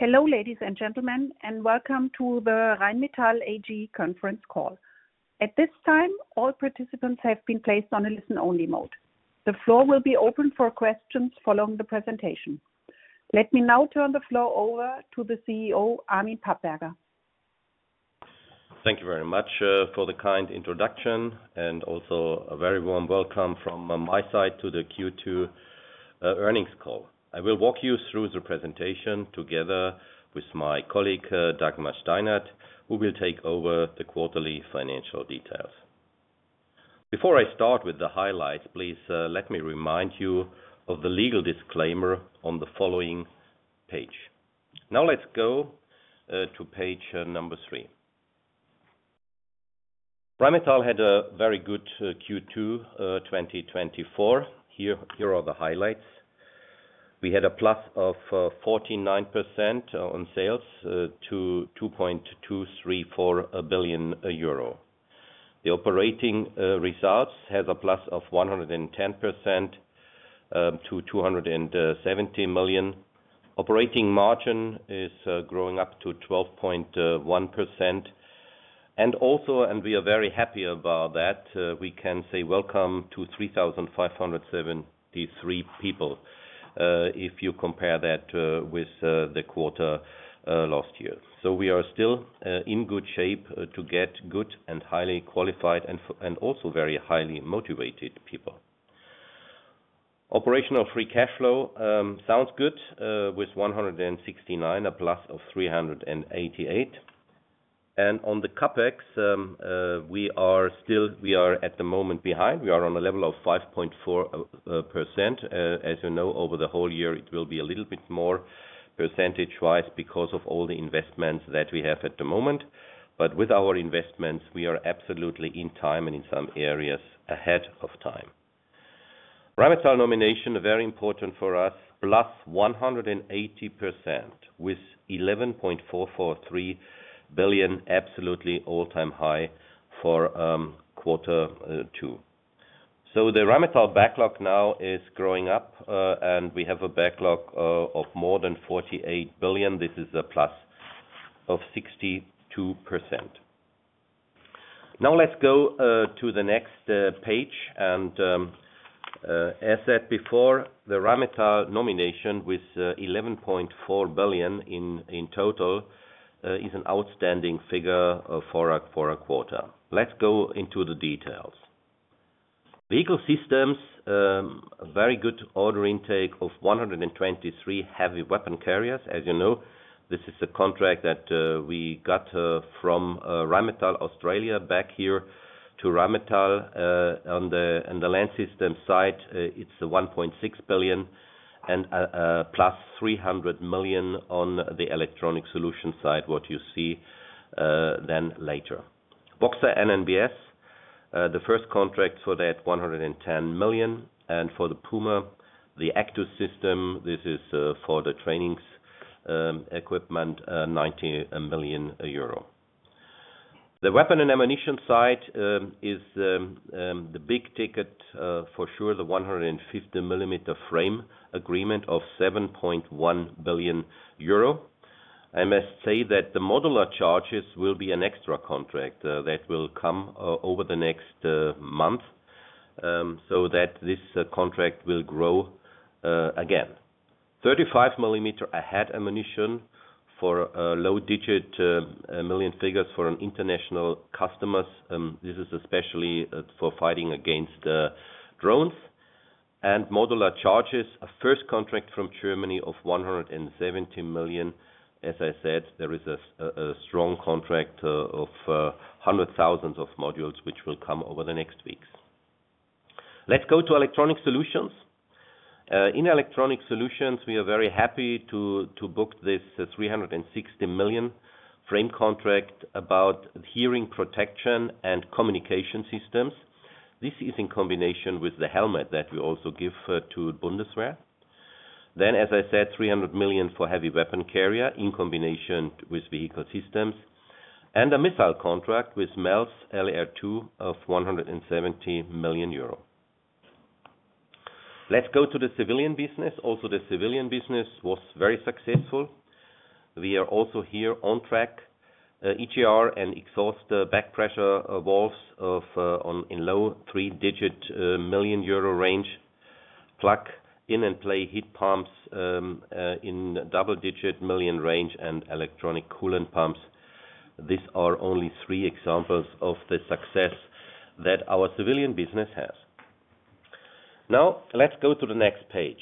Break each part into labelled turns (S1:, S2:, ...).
S1: Hello, ladies and gentlemen, and welcome to the Rheinmetall AG conference call. At this time, all participants have been placed on a listen-only mode. The floor will be open for questions following the presentation. Let me now turn the floor over to the CEO, Armin Papperger.
S2: Thank you very much for the kind introduction, and also a very warm welcome from my side to the Q2 earnings call. I will walk you through the presentation together with my colleague, Dagmar Steinert, who will take over the quarterly financial details. Before I start with the highlights, please let me remind you of the legal disclaimer on the following page. Now let's go to page number 3. Rheinmetall had a very good Q2 2024. Here are the highlights. We had a +49% on sales to 2.234 billion euro. The operating results had a +110% to 270 million. Operating margin is growing up to 12.1%. Also, we are very happy about that, we can say welcome to 3,573 people if you compare that with the quarter last year. So we are still in good shape to get good and highly qualified and also very highly motivated people. Operational free cash flow sounds good with 169 million, a +388 million. On the CapEx, we are still, we are at the moment behind. We are on a level of 5.4%. As you know, over the whole year, it will be a little bit more percentage-wise because of all the investments that we have at the moment. With our investments, we are absolutely in time and in some areas AHEAD of time. Rheinmetall nomination, very important for us, +180% with 11.443 billion, absolutely all-time high for quarter two. The Rheinmetall backlog now is growing up, and we have a backlog of more than 48 billion. This is a +62%. Now let's go to the next page. And as said before, the Rheinmetall nomination with 11.4 billion in total is an outstanding figure for a quarter. Let's go into the details. Vehicle systems, very good order intake of 123 heavy weapon carriers. As you know, this is a contract that we got from Rheinmetall Australia back here to Rheinmetall. On the land system side, it's 1.6 billion and +300 million on the electronic solution side, what you see then later. Boxer and NNbS, the first contract for that 110 million. For the Puma, the AGDUS system, this is for the training equipment, 90 million euro. The weapon and ammunition side is the big ticket for sure, the 150mm frame agreement of 7.1 billion euro. I must say that the modular charges will be an extra contract that will come over the next month so that this contract will grow again. 35mm AHEAD ammunition for low double-digit million figures for international customers. This is especially for fighting against drones. Modular charges, a first contract from Germany of 170 million. As I said, there is a strong contract of hundreds of thousands of modules which will come over the next weeks. Let's go to electronic solutions. In electronic solutions, we are very happy to book this 360 million frame contract about hearing protection and communication systems. This is in combination with the helmet that we also give to Bundeswehr. As I said, 300 million for heavy weapon carrier in combination with vehicle systems. A missile contract with MELLS LR2 of 170 million euro. Let's go to the civilian business. The civilian business was very successful. We are also here on track. EGR and exhaust back pressure valves in low three-digit million euro range. Plug in and play heat pumps in double-digit million range and electronic coolant pumps. These are only three examples of the success that our civilian business has. Now, let's go to the next page.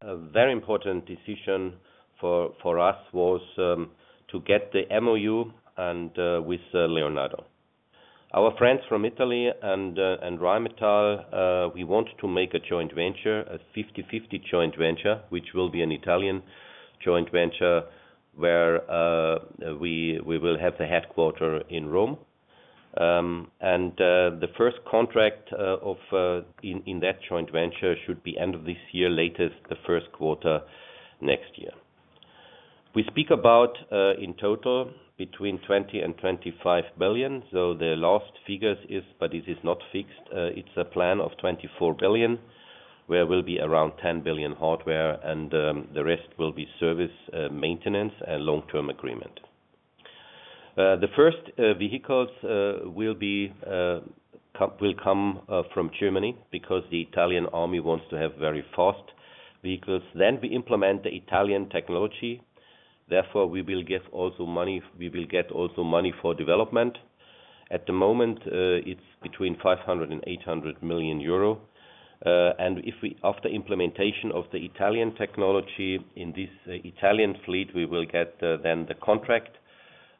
S2: A very important decision for us was to get the MOU with Leonardo. Our friends from Italy and Rheinmetall, we want to make a joint venture, a 50/50 joint venture, which will be an Italian joint venture where we will have a headquarters in Rome. The first contract in that joint venture should be end of this year, latest the first quarter next year. We speak about in total between 20 billion and 25 billion. So the last figures is, but this is not fixed. It's a plan of 24 billion, where we'll be around 10 billion hardware, and the rest will be service, maintenance, and long-term agreement. The first vehicles will come from Germany because the Italian army wants to have very fast vehicles. Then we implement the Italian technology. Therefore, we will give also money. We will get also money for development. At the moment, it's between 500 million euro and 800 million euro. And after implementation of the Italian technology in this Italian fleet, we will get then the contract,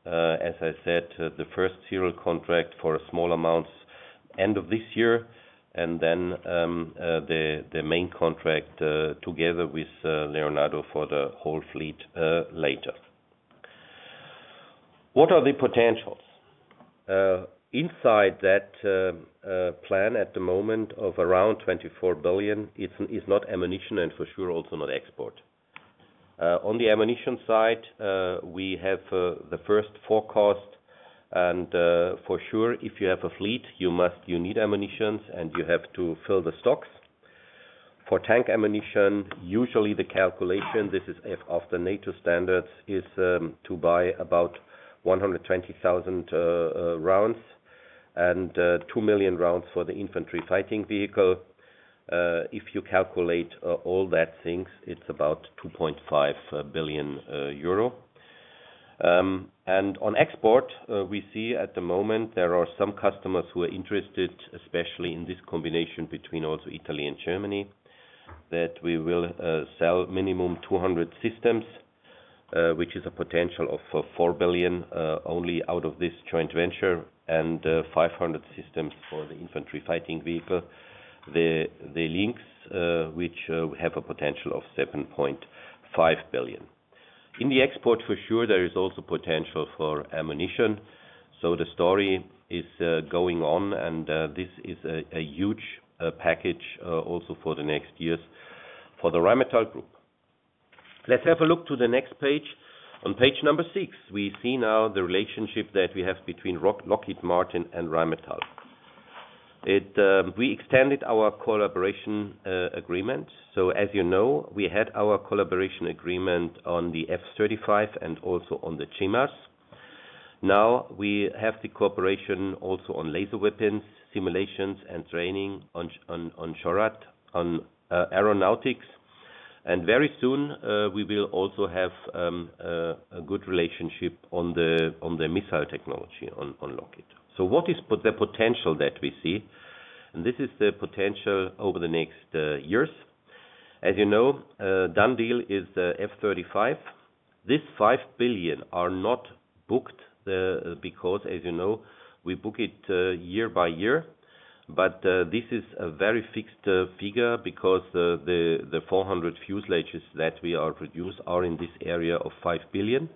S2: as I said, the first serial contract for small amounts end of this year. And then the main contract together with Leonardo for the whole fleet later. What are the potentials? Inside that plan at the moment of around 24 billion is not ammunition and for sure also not export. On the ammunition side, we have the first forecast. And for sure, if you have a fleet, you need ammunitions and you have to fill the stocks. For tank ammunition, usually the calculation, this is after NATO standards, is to buy about 120,000 rounds and 2 million rounds for the infantry fighting vehicle. If you calculate all those things, it's about 2.5 billion euro. And on export, we see at the moment there are some customers who are interested, especially in this combination between also Italy and Germany, that we will sell minimum 200 systems, which is a potential of 4 billion only out of this joint venture, and 500 systems for the infantry fighting vehicle. The Lynx, which has a potential of 7.5 billion. In the export, for sure, there is also potential for ammunition. So the story is going on, and this is a huge package also for the next years for the Rheinmetall Group. Let's have a look to the next page. On page number 6, we see now the relationship that we have between Lockheed Martin and Rheinmetall. We extended our collaboration agreement. So as you know, we had our collaboration agreement on the F-35 and also on the GMARS. Now we have the cooperation also on laser weapons, simulations, and training on SHORAD, on aeronautics. And very soon, we will also have a good relationship on the missile technology on Lockheed. So what is the potential that we see? And this is the potential over the next years. As you know, the deal is the F-35. This $5 billion are not booked because, as you know, we book it year by year. But this is a very fixed figure because the 400 fuselages that we are produced are in this area of $5 billion.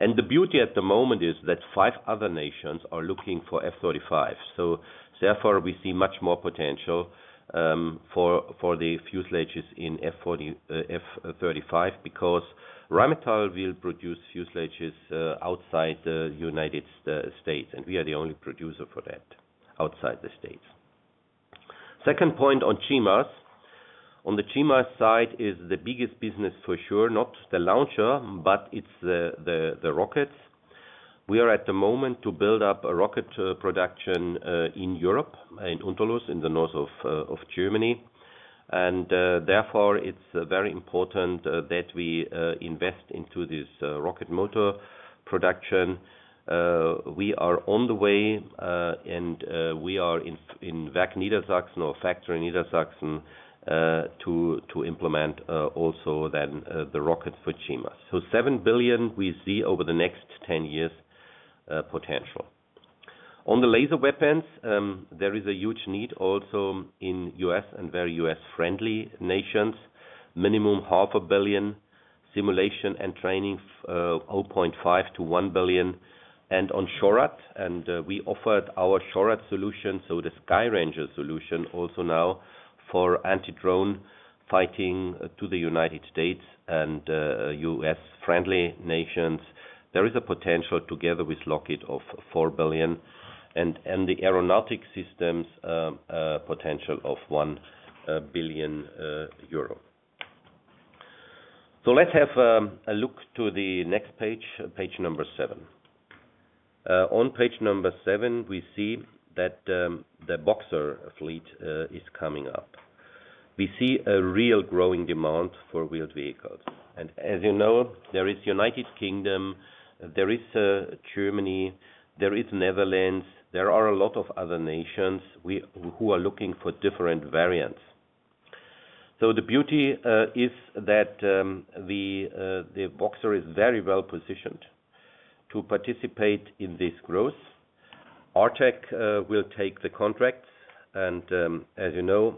S2: And the beauty at the moment is that 5 other nations are looking for F-35. So therefore, we see much more potential for the fuselages in F-35 because Rheinmetall will produce fuselages outside the United States. And we are the only producer for that outside the States. Second point on GMARS. On the GMARS side is the biggest business for sure, not the launcher, but it's the rockets. We are at the moment to build up rocket production in Europe, in Unterlüß, in the north of Germany. And therefore, it's very important that we invest into this rocket motor production. We are on the way, and we are in Werk Niedersachsen or factory in Niedersachsen to implement also then the rockets for GMARS. So 7 billion, we see over the next 10 years potential. On the laser weapons, there is a huge need also in U.S. and very U.S.-friendly nations. Minimum 500 million, simulation and training, 500 million-1 billion. On SHORAD, we offered our SHORAD solution, so the Skyranger solution also now for anti-drone fighting to the United States and US-friendly nations. There is a potential together with Lockheed of 4 billion. And the aeronautic systems potential of 1 billion euro. So let's have a look to the next page, page number 7. On page number 7, we see that the Boxer fleet is coming up. We see a real growing demand for wheeled vehicles. And as you know, there is the United Kingdom, there is Germany, there is the Netherlands, there are a lot of other nations who are looking for different variants. So the beauty is that the Boxer is very well positioned to participate in this growth. ARTEC will take the contracts. And as you know,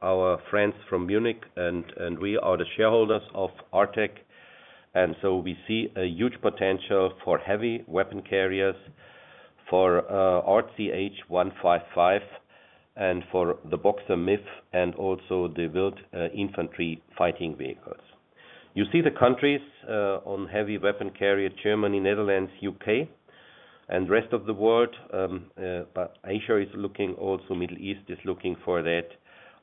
S2: our friends from Munich and we are the shareholders of ARTEC. So we see a huge potential for heavy weapon carriers, for RCH 155, and for the Boxer MIV and also the wheeled infantry fighting vehicles. You see the countries on heavy weapon carrier, Germany, Netherlands, UK, and rest of the world. Asia is looking also, Middle East is looking for that.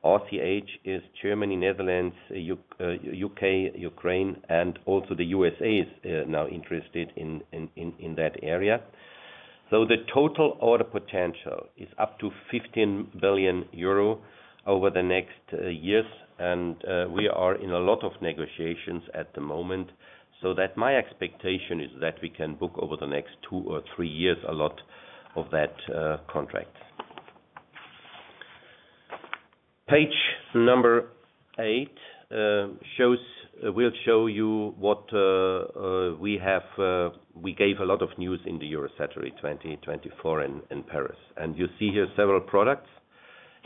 S2: RCH is Germany, Netherlands, UK, Ukraine, and also the USA is now interested in that area. So the total order potential is up to 15 billion euro over the next years. And we are in a lot of negotiations at the moment. So that my expectation is that we can book over the next two or three years a lot of that contract. Page number eight will show you what we gave a lot of news in the Eurosatory 2024 in Paris. You see here several products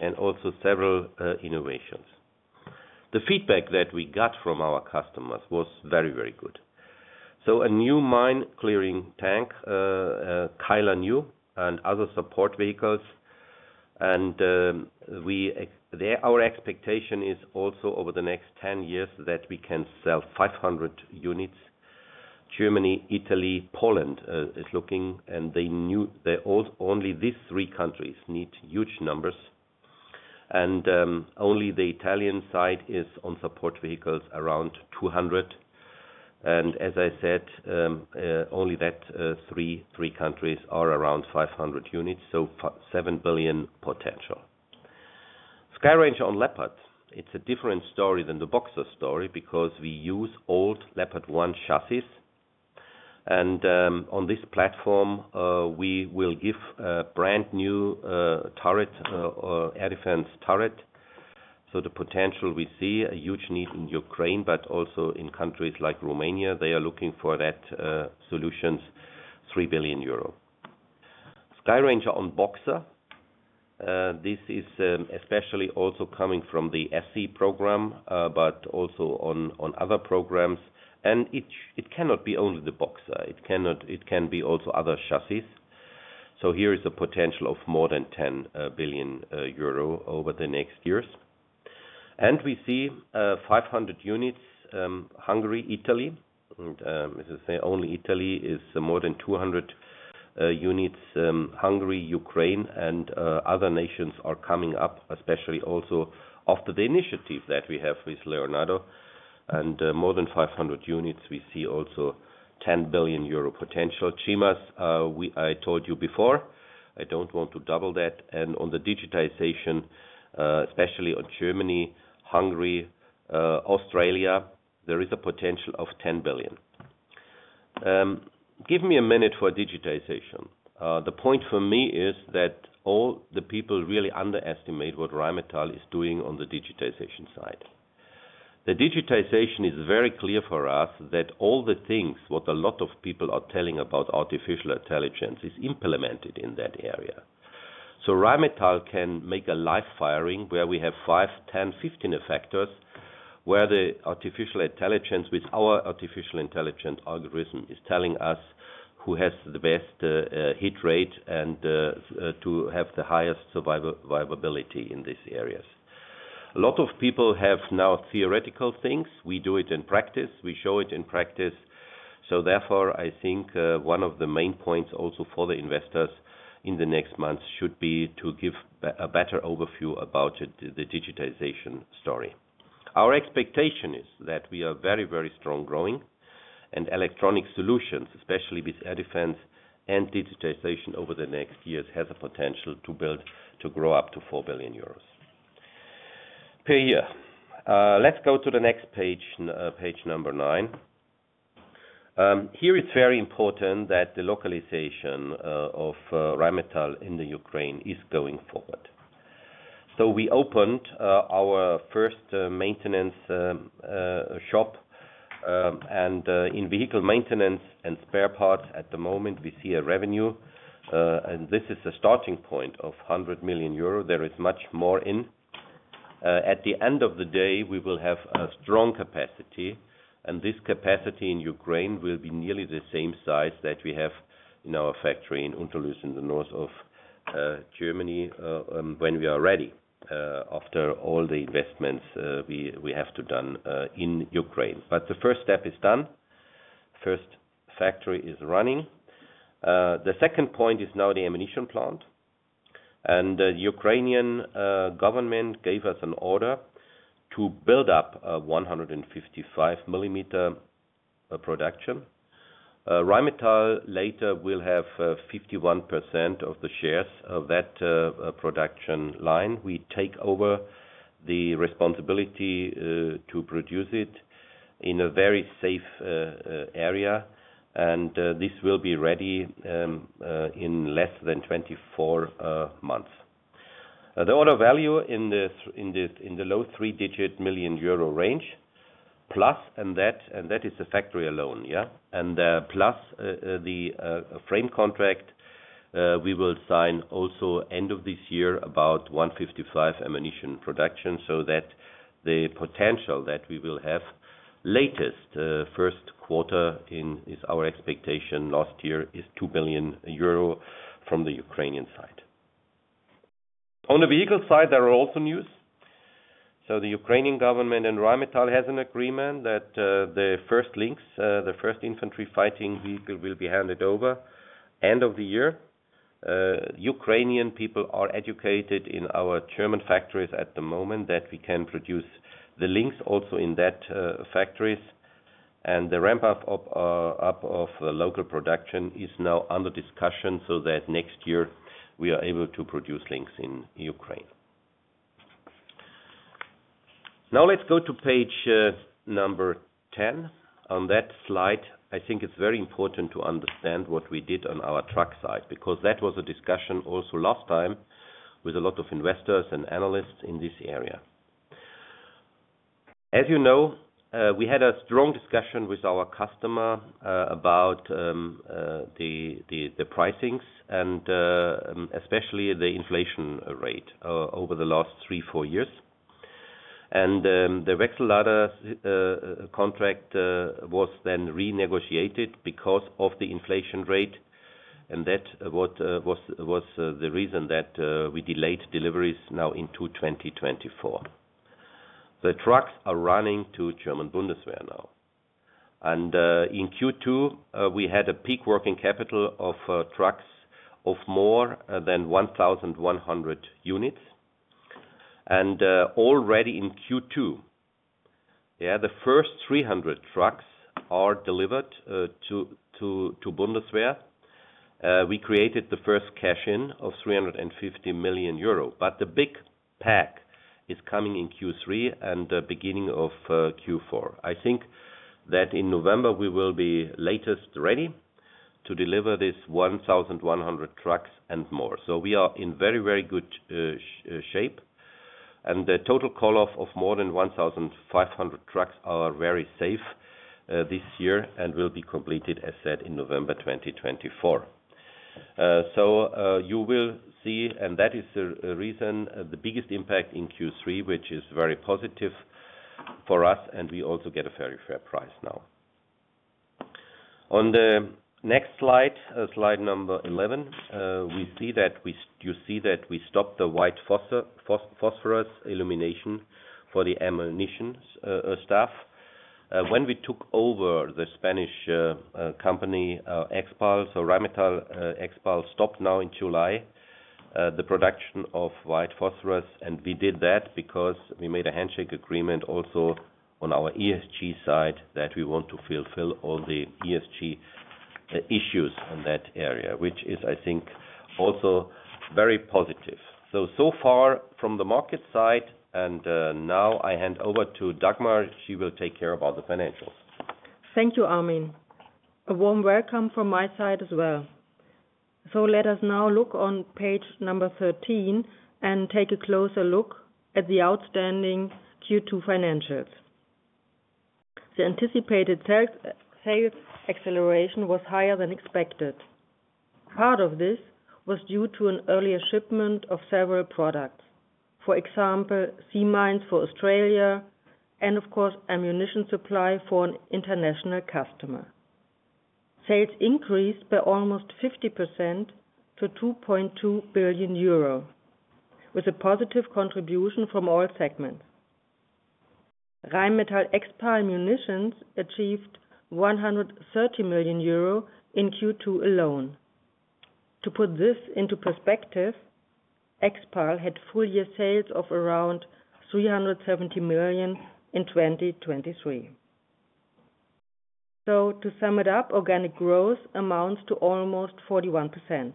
S2: and also several innovations. The feedback that we got from our customers was very, very good. So a new mine clearing tank, Keiler New, and other support vehicles. And our expectation is also over the next 10 years that we can sell 500 units. Germany, Italy, Poland is looking, and they knew that only these three countries need huge numbers. And only the Italian side is on support vehicles around 200. And as I said, only that three countries are around 500 units, so 7 billion potential. Skyranger on Leopard, it's a different story than the Boxer story because we use old Leopard 1 chassis. And on this platform, we will give a brand new turret, air defense turret. So the potential we see, a huge need in Ukraine, but also in countries like Romania, they are looking for that solutions, 3 billion euro. Skyranger on Boxer. This is especially also coming from the ESSI program, but also on other programs. It cannot be only the Boxer. It can be also other chassis. So here is a potential of more than 10 billion euro over the next years. We see 500 units, Hungary, Italy. As I say, only Italy is more than 200 units, Hungary, Ukraine, and other nations are coming up, especially also after the initiative that we have with Leonardo. More than 500 units, we see also 10 billion euro potential. GMARS, I told you before, I don't want to double that. On the digitization, especially on Germany, Hungary, Australia, there is a potential of 10 billion. Give me a minute for digitization. The point for me is that all the people really underestimate what Rheinmetall is doing on the digitization side. The digitization is very clear for us that all the things what a lot of people are telling about artificial intelligence is implemented in that area. So Rheinmetall can make a live firing where we have 5, 10, 15 effectors where the artificial intelligence with our artificial intelligence algorithm is telling us who has the best hit rate and to have the highest survivability in these areas. A lot of people have now theoretical things. We do it in practice. We show it in practice. So therefore, I think one of the main points also for the investors in the next months should be to give a better overview about the digitization story. Our expectation is that we are very, very strong growing. And electronic solutions, especially with air defense and digitization over the next years has a potential to grow up to 4 billion euros per year. Let's go to the next page, page 9. Here it's very important that the localization of Rheinmetall in Ukraine is going forward. So we opened our first maintenance shop. In vehicle maintenance and spare parts, at the moment we see a revenue. And this is a starting point of 100 million euro. There is much more in. At the end of the day, we will have a strong capacity. And this capacity in Ukraine will be nearly the same size that we have in our factory in Unterlüß in the north of Germany when we are ready after all the investments we have to done in Ukraine. But the first step is done. First factory is running. The second point is now the ammunition plant. And the Ukrainian government gave us an order to build up a 155mm production. Rheinmetall later will have 51% of the shares of that production line. We take over the responsibility to produce it in a very safe area. This will be ready in less than 24 months. The order value in the low three-digit million euro range plus, and that is the factory alone, yeah? Plus the frame contract we will sign also end of this year about 155 ammunition production so that the potential that we will have latest first quarter is our expectation last year is 2 billion euro from the Ukrainian side. On the vehicle side, there are also news. So the Ukrainian government and Rheinmetall has an agreement that the first Lynx, the first infantry fighting vehicle will be handed over end of the year. Ukrainian people are educated in our German factories at the moment that we can produce the Lynx also in that factories. The ramp-up of the local production is now under discussion so that next year we are able to produce Lynx in Ukraine. Now let's go to page 10. On that slide, I think it's very important to understand what we did on our truck side because that was a discussion also last time with a lot of investors and analysts in this area. As you know, we had a strong discussion with our customer about the pricings and especially the inflation rate over the last three to four years. The Wechsellader contract was then renegotiated because of the inflation rate. That was the reason that we delayed deliveries now into 2024. The trucks are running to German Bundeswehr now. In Q2, we had a peak working capital of trucks of more than 1,100 units. Already in Q2, yeah, the first 300 trucks are delivered to Bundeswehr. We created the first cash-in of 350 million euro. The big pack is coming in Q3 and the beginning of Q4. I think that in November we will be latest ready to deliver this 1,100 trucks and more. So we are in very, very good shape. The total call-off of more than 1,500 trucks are very safe this year and will be completed, as said, in November 2024. So you will see, and that is the reason, the biggest impact in Q3, which is very positive for us, and we also get a very fair price now. On the next slide, slide 11, we see that we stopped the white phosphorus illumination for the ammunition stuff. When we took over the Spanish company, Expal, so Rheinmetall Expal stopped now in July the production of white phosphorus. And we did that because we made a handshake agreement also on our ESG side that we want to fulfill all the ESG issues in that area, which is, I think, also very positive. So, so far from the market side, and now I hand over to Dagmar. She will take care about the financials.
S3: Thank you, Armin. A warm welcome from my side as well. So let us now look on page 13 and take a closer look at the outstanding Q2 financials. The anticipated sales acceleration was higher than expected. Part of this was due to an early shipment of several products, for example, sea mines for Australia and, of course, ammunition supply for an international customer. Sales increased by almost 50% to 2.2 billion euro, with a positive contribution from all segments. Rheinmetall Expal Munitions achieved 130 million euro in Q2 alone. To put this into perspective, Expal had full year sales of around 370 million in 2023. So to sum it up, organic growth amounts to almost 41%.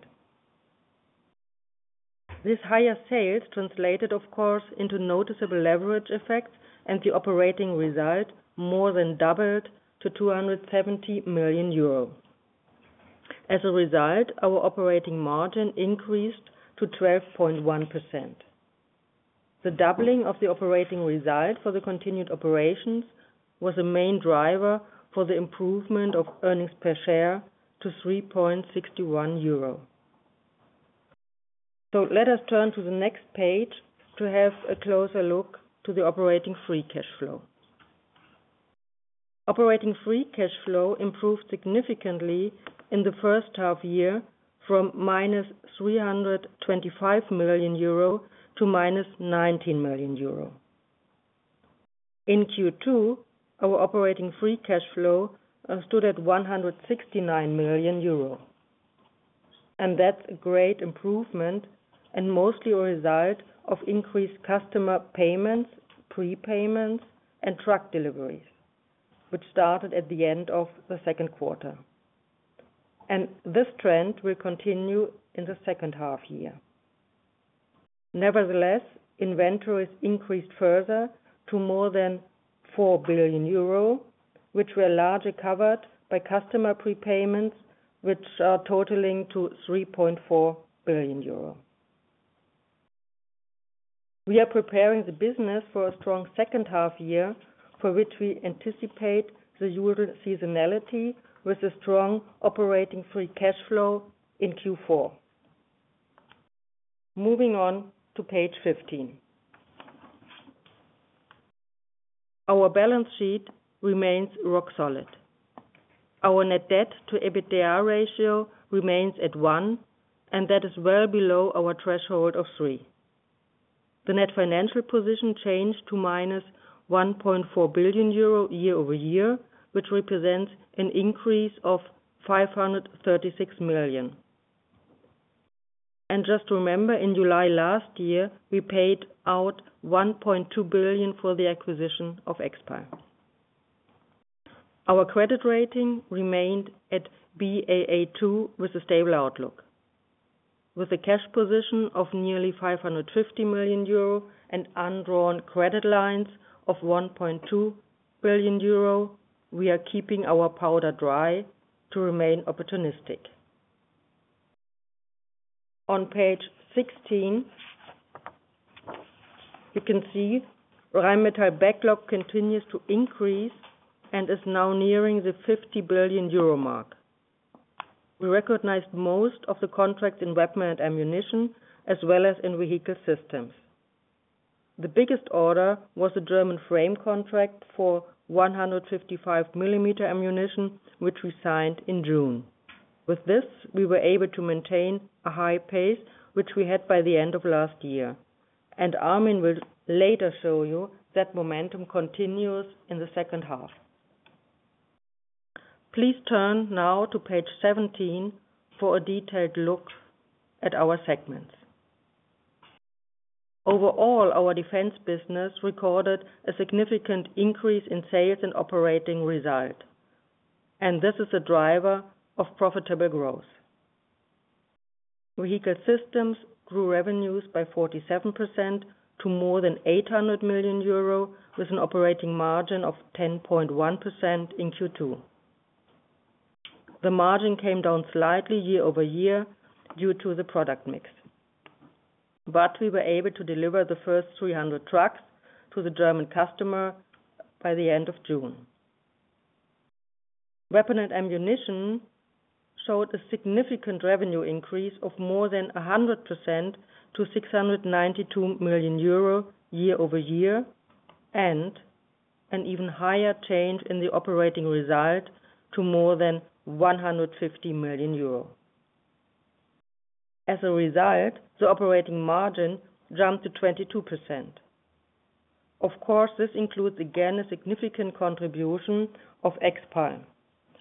S3: This higher sales translated, of course, into noticeable leverage effects, and the operating result more than doubled to 270 million euro. As a result, our operating margin increased to 12.1%. The doubling of the operating result for the continued operations was a main driver for the improvement of earnings per share to 3.61 euro. So let us turn to the next page to have a closer look to the operating free cash flow. Operating free cash flow improved significantly in the first half year from minus 325 million euro to minus 19 million euro. In Q2, our operating free cash flow stood at 169 million euro. That's a great improvement and mostly a result of increased customer payments, prepayments, and truck deliveries, which started at the end of the second quarter. This trend will continue in the second half year. Nevertheless, inventories increased further to more than 4 billion euro, which were largely covered by customer prepayments, which are totaling to 3.4 billion euro. We are preparing the business for a strong second half year, for which we anticipate the usual seasonality with a strong operating free cash flow in Q4. Moving on to page 15. Our balance sheet remains rock solid. Our net debt to EBITDA ratio remains at 1, and that is well below our threshold of 3. The net financial position changed to -1.4 billion euro year-over-year, which represents an increase of 536 million. Just remember, in July last year, we paid out 1.2 billion for the acquisition of Expal. Our credit rating remained at Baa2 with a stable outlook. With a cash position of nearly 550 million euro and undrawn credit lines of 1.2 billion euro, we are keeping our powder dry to remain opportunistic. On page 16, you can see Rheinmetall backlog continues to increase and is now nearing the 50 billion euro mark. We recognized most of the contracts in weapon and ammunition, as well as in vehicle systems. The biggest order was a German frame contract for 155mm ammunition, which we signed in June. With this, we were able to maintain a high pace, which we had by the end of last year. Armin will later show you that momentum continues in the second half. Please turn now to page 17 for a detailed look at our segments. Overall, our defense business recorded a significant increase in sales and operating result. This is a driver of profitable growth. Vehicle systems grew revenues by 47% to more than 800 million euro with an operating margin of 10.1% in Q2. The margin came down slightly year-over-year due to the product mix. We were able to deliver the first 300 trucks to the German customer by the end of June. Weapon and ammunition showed a significant revenue increase of more than 100% to 692 million euro year-over-year and an even higher change in the operating result to more than 150 million euro. As a result, the operating margin jumped to 22%. Of course, this includes again a significant contribution of Expal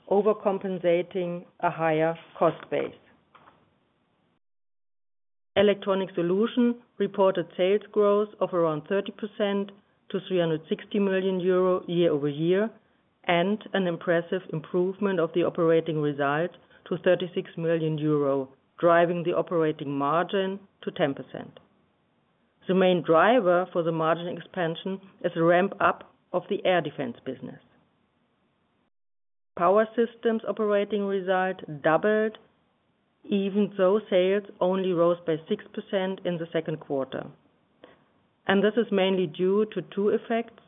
S3: overcompensating a higher cost base. Electronic Solutions reported sales growth of around 30% to 360 million euro year-over-year and an impressive improvement of the operating result to 36 million euro, driving the operating margin to 10%. The main driver for the margin expansion is a ramp-up of the air defense business. Power Systems operating result doubled, even though sales only rose by 6% in the second quarter. This is mainly due to two effects.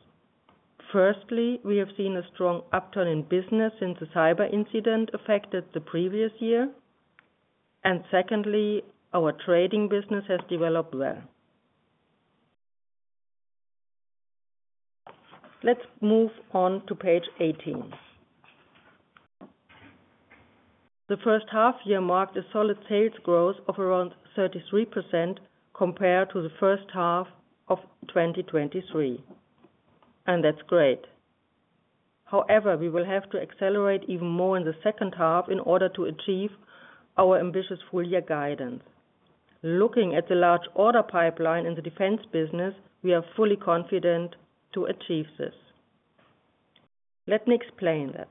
S3: Firstly, we have seen a strong upturn in business since the cyber incident affected the previous year. Secondly, our trading business has developed well. Let's move on to page 18. The first half year marked a solid sales growth of around 33% compared to the first half of 2023. That's great. However, we will have to accelerate even more in the second half in order to achieve our ambitious full year guidance. Looking at the large order pipeline in the defense business, we are fully confident to achieve this. Let me explain that.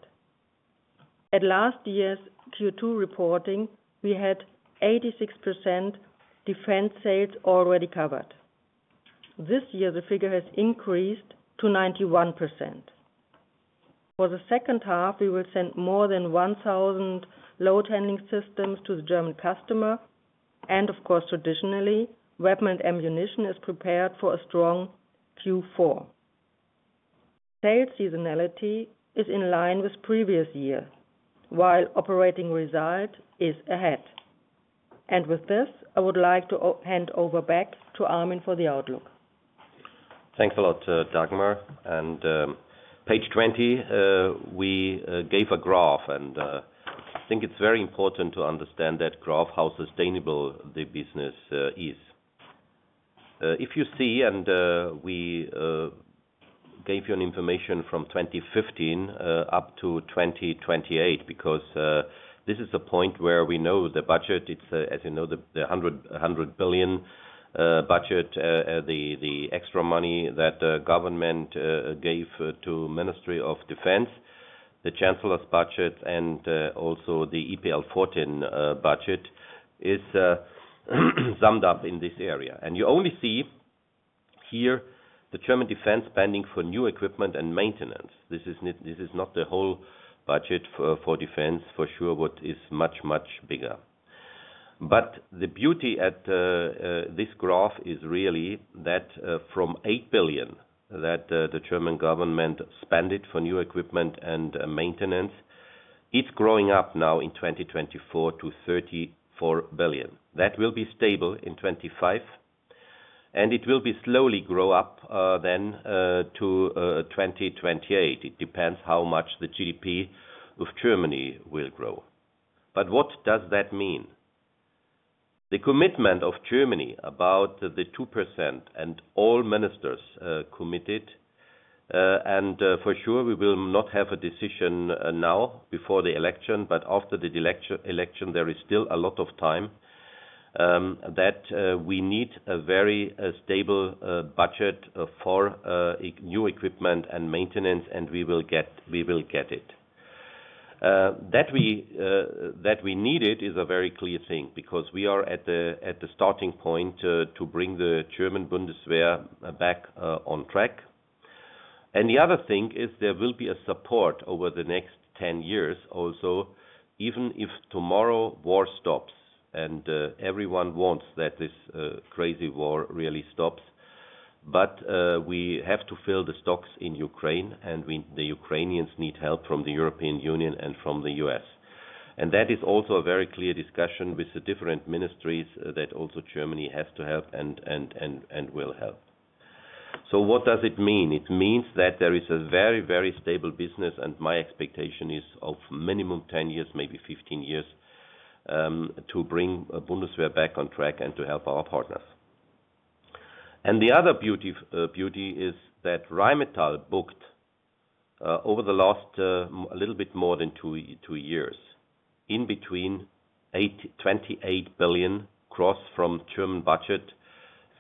S3: At last year's Q2 reporting, we had 86% defense sales already covered. This year, the figure has increased to 91%. For the second half, we will send more than 1,000 load handling systems to the German customer. And of course, traditionally, weapon and ammunition is prepared for a strong Q4. Sales seasonality is in line with previous year, while operating result is AHEAD. And with this, I would like to hand over back to Armin for the outlook.
S2: Thanks a lot, Dagmar. And page 20, we gave a graph, and I think it's very important to understand that graph how sustainable the business is. If you see, and we gave you information from 2015 up to 2028, because this is a point where we know the budget, as you know, the 100 billion budget, the extra money that the government gave to the Ministry of Defense, the Chancellor's budget, and also the EPL 14 budget is summed up in this area. And you only see here the German defense spending for new equipment and maintenance. This is not the whole budget for defense, for sure, which is much, much bigger. But the beauty at this graph is really that from 8 billion that the German government spend it for new equipment and maintenance, it's growing up now in 2024 to 34 billion. That will be stable in 2025, and it will be slowly grow up then to 2028. It depends how much the GDP of Germany will grow. But what does that mean? The commitment of Germany about the 2% and all ministers committed, and for sure we will not have a decision now before the election, but after the election, there is still a lot of time that we need a very stable budget for new equipment and maintenance, and we will get it. That we need it is a very clear thing because we are at the starting point to bring the German Bundeswehr back on track. The other thing is there will be a support over the next 10 years also, even if tomorrow war stops and everyone wants that this crazy war really stops. But we have to fill the stocks in Ukraine, and the Ukrainians need help from the European Union and from the U.S. That is also a very clear discussion with the different ministries that also Germany has to help and will help. So what does it mean? It means that there is a very, very stable business, and my expectation is of minimum 10 years, maybe 15 years to bring the Bundeswehr back on track and to help our partners. And the other beauty is that Rheinmetall booked over the last a little bit more than two years in between 28 billion across from German budget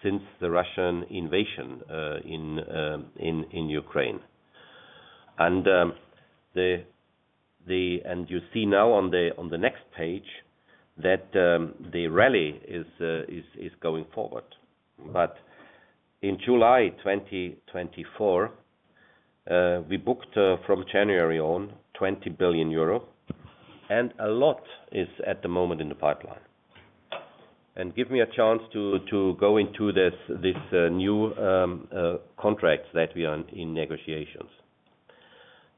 S2: since the Russian invasion in Ukraine. And you see now on the next page that the rally is going forward. But in July 2024, we booked from January on 20 billion euro, and a lot is at the moment in the pipeline. And give me a chance to go into this new contract that we are in negotiations.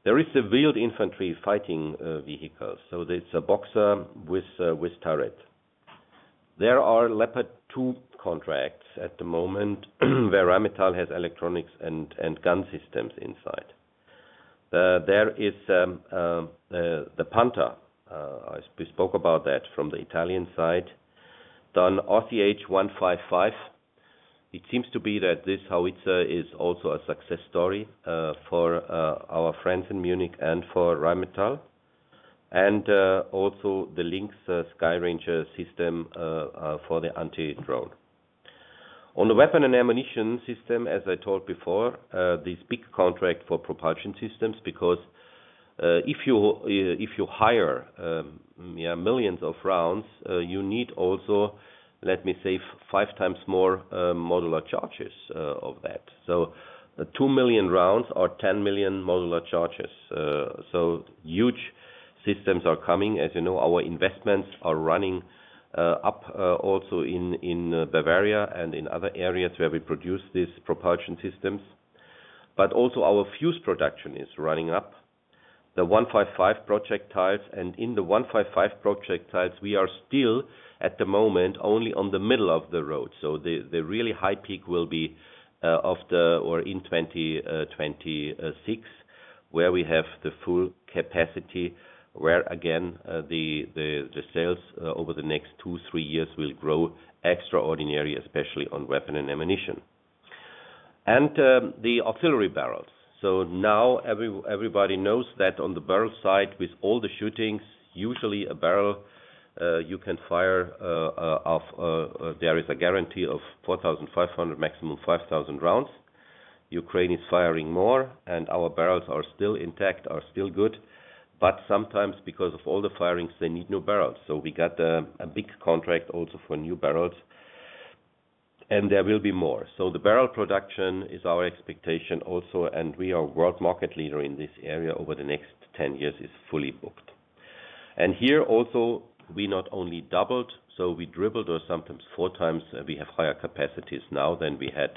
S2: There is a wheeled infantry fighting vehicle, so it's a Boxer with turret. There are Leopard 2 contracts at the moment where Rheinmetall has electronics and gun systems inside. There is the Panther. I spoke about that from the Italian side, then RCH 155. It seems to be that this howitzer is also a success story for our friends in Munich and for Rheinmetall, and also the Lynx Skyranger system for the anti-drone. On the weapon and ammunition system, as I told before, this big contract for propulsion systems, because if you hire millions of rounds, you need also, let me say, five times more modular charges of that. So 2 million rounds are 10 million modular charges. So huge systems are coming. As you know, our investments are running up also in Bavaria and in other areas where we produce these propulsion systems. But also our fuze production is running up. The 155 projectiles, and in the 155 projectiles, we are still at the moment only on the middle of the road. So the really high peak will be of the or in 2026, where we have the full capacity, where again, the sales over the next two, three years will grow extraordinary, especially on weapon and ammunition. And the artillery barrels. So now everybody knows that on the barrel side, with all the shootings, usually a barrel you can fire, there is a guarantee of 4,500, maximum 5,000 rounds. Ukraine is firing more, and our barrels are still intact, are still good. But sometimes because of all the firings, they need new barrels. So we got a big contract also for new barrels, and there will be more. So the barrel production is our expectation also, and we are a world market leader in this area over the next 10 years is fully booked. And here also, we not only doubled, so we tripled or sometimes four times, we have higher capacities now than we had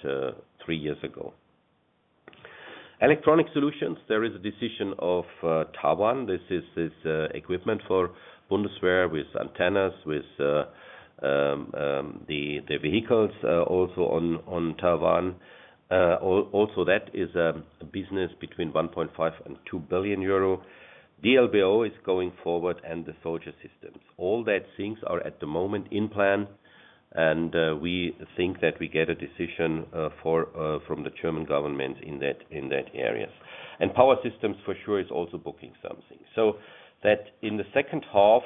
S2: three years ago. Electronic solutions, there is a decision of TaWAN. This is equipment for Bundeswehr with antennas, with the vehicles also on TaWAN. Also that is a business between 1.5 billion and 2 billion euro. D-LBO is going forward and the soldier systems. All that things are at the moment in plan, and we think that we get a decision from the German government in that area. And power systems for sure is also booking something. So that in the second half,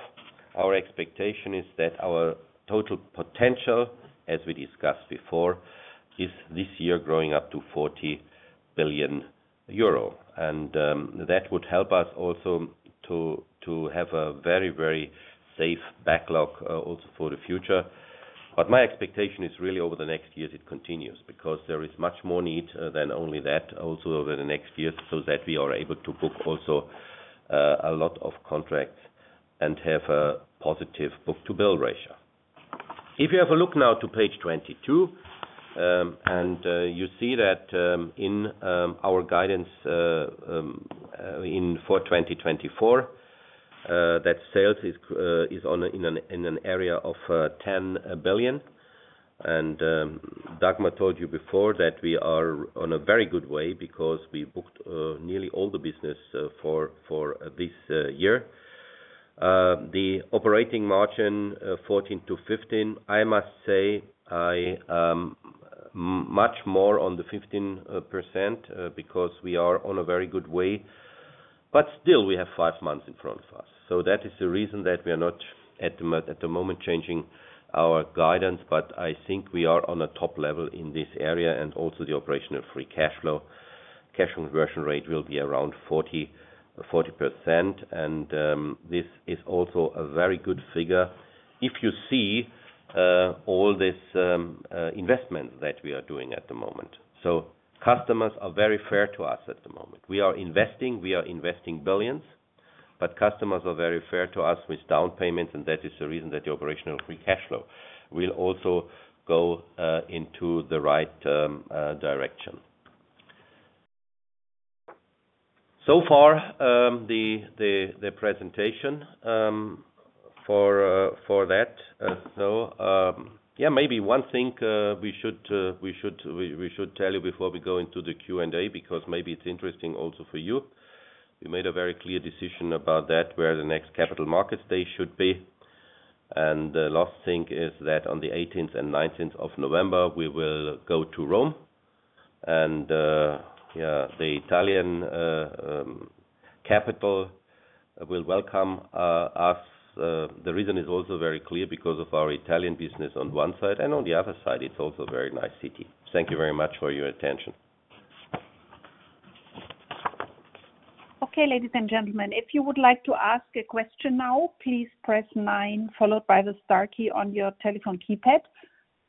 S2: our expectation is that our total potential, as we discussed before, is this year growing up to 40 billion euro. And that would help us also to have a very, very safe backlog also for the future. But my expectation is really over the next years it continues because there is much more need than only that also over the next years so that we are able to book also a lot of contracts and have a positive book-to-build ratio. If you have a look now to page 22, and you see that in our guidance for 2024, that sales is in an area of 10 billion. And Dagmar told you before that we are on a very good way because we booked nearly all the business for this year. The operating margin 14%-15%, I must say, much more on the 15% because we are on a very good way. But still, we have five months in front of us. So that is the reason that we are not at the moment changing our guidance, but I think we are on a top level in this area and also the operational free cash flow. Cash conversion rate will be around 40%, and this is also a very good figure if you see all this investment that we are doing at the moment. So customers are very fair to us at the moment. We are investing, we are investing billions, but customers are very fair to us with down payments, and that is the reason that the operational free cash flow will also go into the right direction. So far, the presentation for that. So yeah, maybe one thing we should tell you before we go into the Q&A because maybe it's interesting also for you. We made a very clear decision about that, where the next capital markets day should be. The last thing is that on the 18th and 19th of November, we will go to Rome. The Italian capital will welcome us. The reason is also very clear because of our Italian business on one side, and on the other side, it's also a very nice city. Thank you very much for your attention.
S1: Okay, ladies and gentlemen, if you would like to ask a question now, please press 9 followed by the star key on your telephone keypad.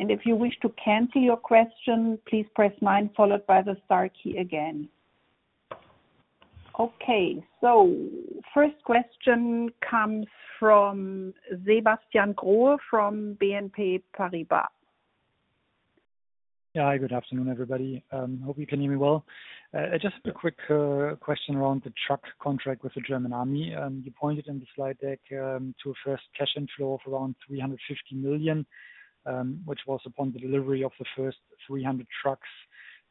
S1: If you wish to cancel your question, please press 9 followed by the star key again. Okay, first question comes from Sebastian Growe from BNP Paribas.
S4: Yeah, hi, good afternoon everybody. Hope you can hear me well. Just a quick question around the truck contract with the German army. You pointed in the slide deck to a first cash inflow of around 350 million, which was upon the delivery of the first 300 trucks.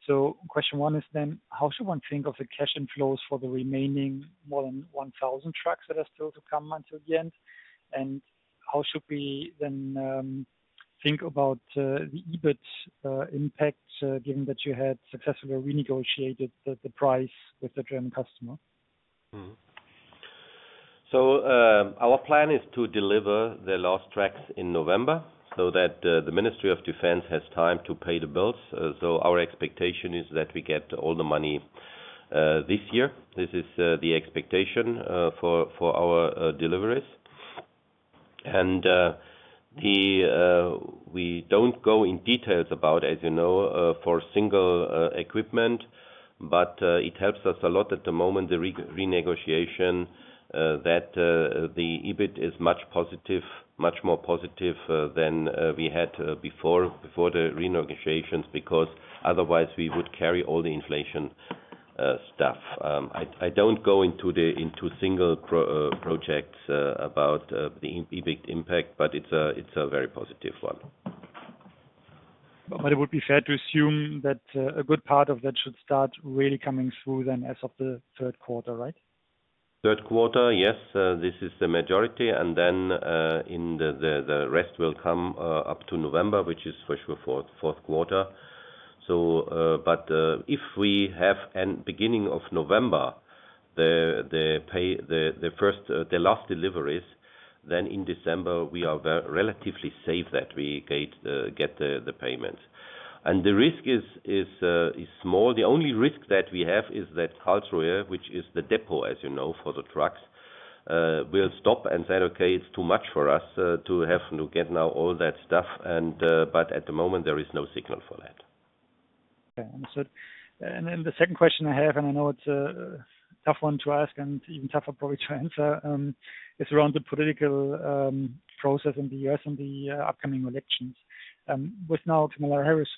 S4: So question one is then, how should one think of the cash inflows for the remaining more than 1,000 trucks that are still to come until the end? And how should we then think about the EBIT impact given that you had successfully renegotiated the price with the German customer?
S2: So our plan is to deliver the last trucks in November so that the Ministry of Defense has time to pay the bills. So our expectation is that we get all the money this year. This is the expectation for our deliveries. And we don't go in details about, as you know, for single equipment, but it helps us a lot at the moment, the renegotiation, that the EBIT is much more positive than we had before the renegotiations because otherwise we would carry all the inflation stuff. I don't go into single projects about the EBIT impact, but it's a very positive one.
S4: But it would be fair to assume that a good part of that should start really coming through then as of the third quarter, right?
S2: Third quarter, yes, this is the majority. And then the rest will come up to November, which is for sure fourth quarter. But if we have beginning of November, the last deliveries, then in December we are relatively safe that we get the payments. And the risk is small. The only risk that we have is that Karlsruhe, which is the depot, as you know, for the trucks, will stop and say, "Okay, it's too much for us to have to get now all that stuff." But at the moment, there is no signal for that.
S4: Okay, understood. And then the second question I have, and I know it's a tough one to ask and even tougher probably to answer, is around the political process in the U.S. and the upcoming elections. With now Kamala Harris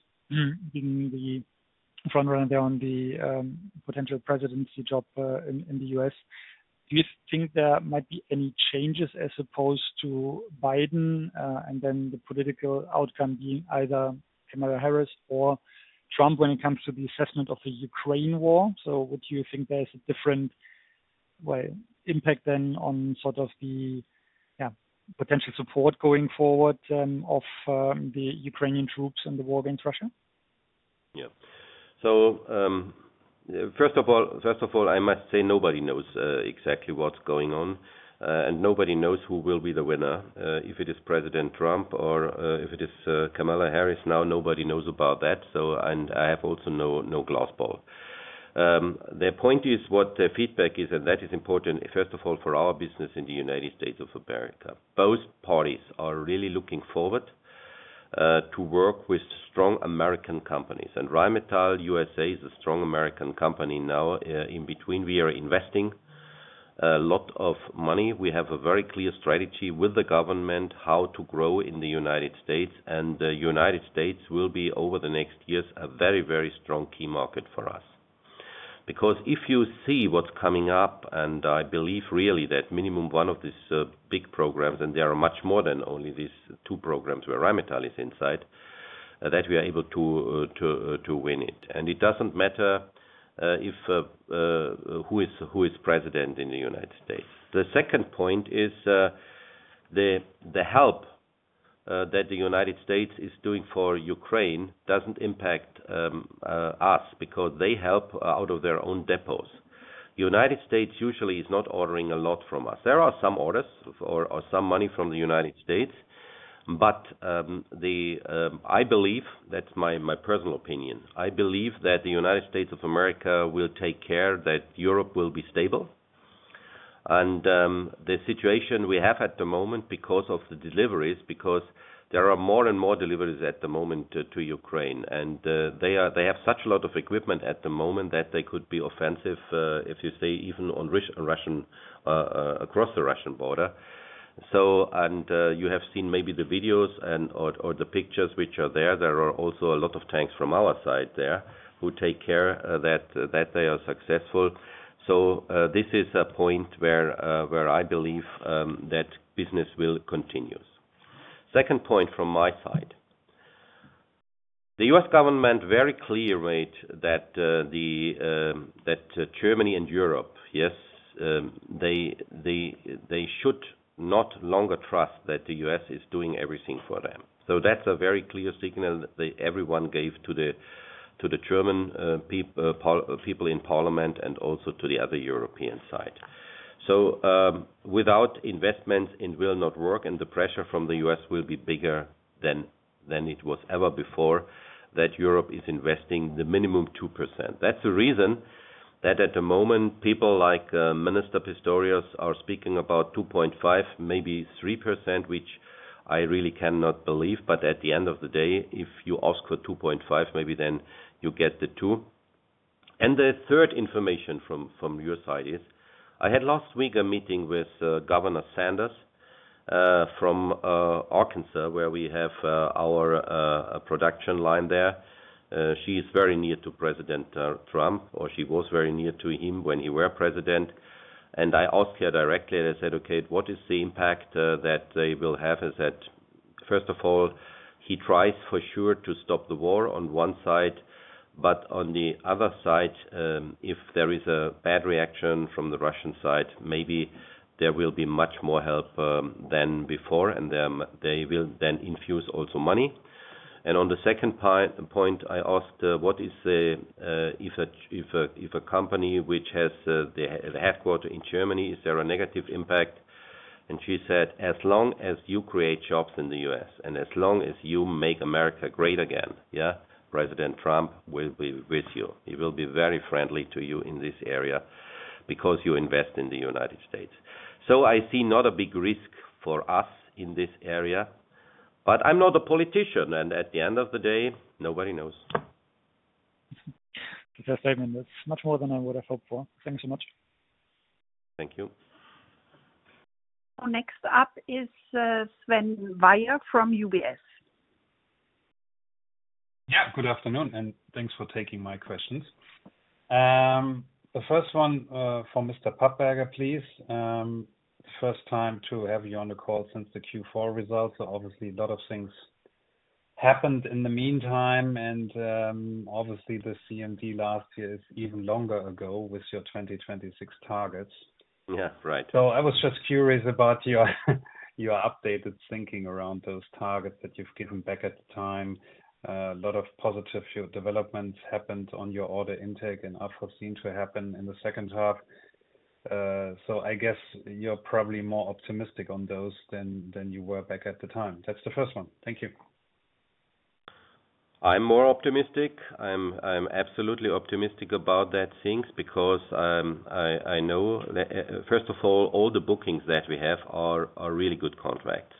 S4: being the front runner on the potential presidency job in the U.S., do you think there might be any changes as opposed to Biden and then the political outcome being either Kamala Harris or Trump when it comes to the assessment of the Ukraine war? So would you think there's a different impact than on sort of the potential support going forward of the Ukrainian troops and the war against Russia?
S2: Yeah. So first of all, I must say nobody knows exactly what's going on, and nobody knows who will be the winner, if it is President Trump or if it is Kamala Harris. Now, nobody knows about that, and I have also no crystal ball. The point is what the feedback is, and that is important, first of all, for our business in the United States of America. Both parties are really looking forward to work with strong American companies. Rheinmetall USA is a strong American company now. In between, we are investing a lot of money. We have a very clear strategy with the government how to grow in the United States. The United States will be, over the next years, a very, very strong key market for us. Because if you see what's coming up, and I believe really that minimum one of these big programs, and there are much more than only these two programs where Rheinmetall is inside, that we are able to win it. It doesn't matter who is president in the United States. The second point is the help that the United States is doing for Ukraine doesn't impact us because they help out of their own depots. The United States usually is not ordering a lot from us. There are some orders or some money from the United States, but I believe, that's my personal opinion, I believe that the United States of America will take care that Europe will be stable. The situation we have at the moment because of the deliveries, because there are more and more deliveries at the moment to Ukraine, and they have such a lot of equipment at the moment that they could be offensive, if you say, even on Russian across the Russian border. And you have seen maybe the videos or the pictures which are there. There are also a lot of tanks from our side there who take care that they are successful. So this is a point where I believe that business will continue. Second point from my side. The US government very clearly stated that Germany and Europe, yes, they should no longer trust that the US is doing everything for them. So that's a very clear signal that everyone gave to the German people in Parliament and also to the other European side. So without investments, it will not work, and the pressure from the U.S. will be bigger than it was ever before that Europe is investing the minimum 2%. That's the reason that at the moment, people like Minister Pistorius are speaking about 2.5%, maybe 3%, which I really cannot believe. But at the end of the day, if you ask for 2.5%, maybe then you get the 2. And the third information from your side is I had last week a meeting with Governor Sanders from Arkansas, where we have our production line there. She is very near to President Trump, or she was very near to him when he were president. I asked her directly, and I said, "Okay, what is the impact that they will have?" I said, "First of all, he tries for sure to stop the war on one side, but on the other side, if there is a bad reaction from the Russian side, maybe there will be much more help than before, and they will then infuse also money." And on the second point, I asked, "What is the if a company which has the headquarters in Germany, is there a negative impact?" And she said, "As long as you create jobs in the U.S. and as long as you make America great again, yeah, President Trump will be with you. He will be very friendly to you in this area because you invest in the United States." So I see not a big risk for us in this area, but I'm not a politician, and at the end of the day, nobody knows.
S4: Just saying, it's much more than I would have hoped for. Thanks so much.
S2: Thank you.
S1: Next up is Sven Weier from UBS.
S5: Yeah, good afternoon, and thanks for taking my questions. The first one for Mr. Papperger, please. First time to have you on the call since the Q4 results, so obviously a lot of things happened in the meantime, and obviously the CMD last year is even longer ago with your 2026 targets.
S2: Yeah, right.
S5: So I was just curious about your updated thinking around those targets that you've given back at the time. A lot of positive developments happened on your order intake, and I've seen to happen in the second half. So I guess you're probably more optimistic on those than you were back at the time. That's the first one. Thank you.
S2: I'm more optimistic. I'm absolutely optimistic about that thing because I know, first of all, all the bookings that we have are really good contracts.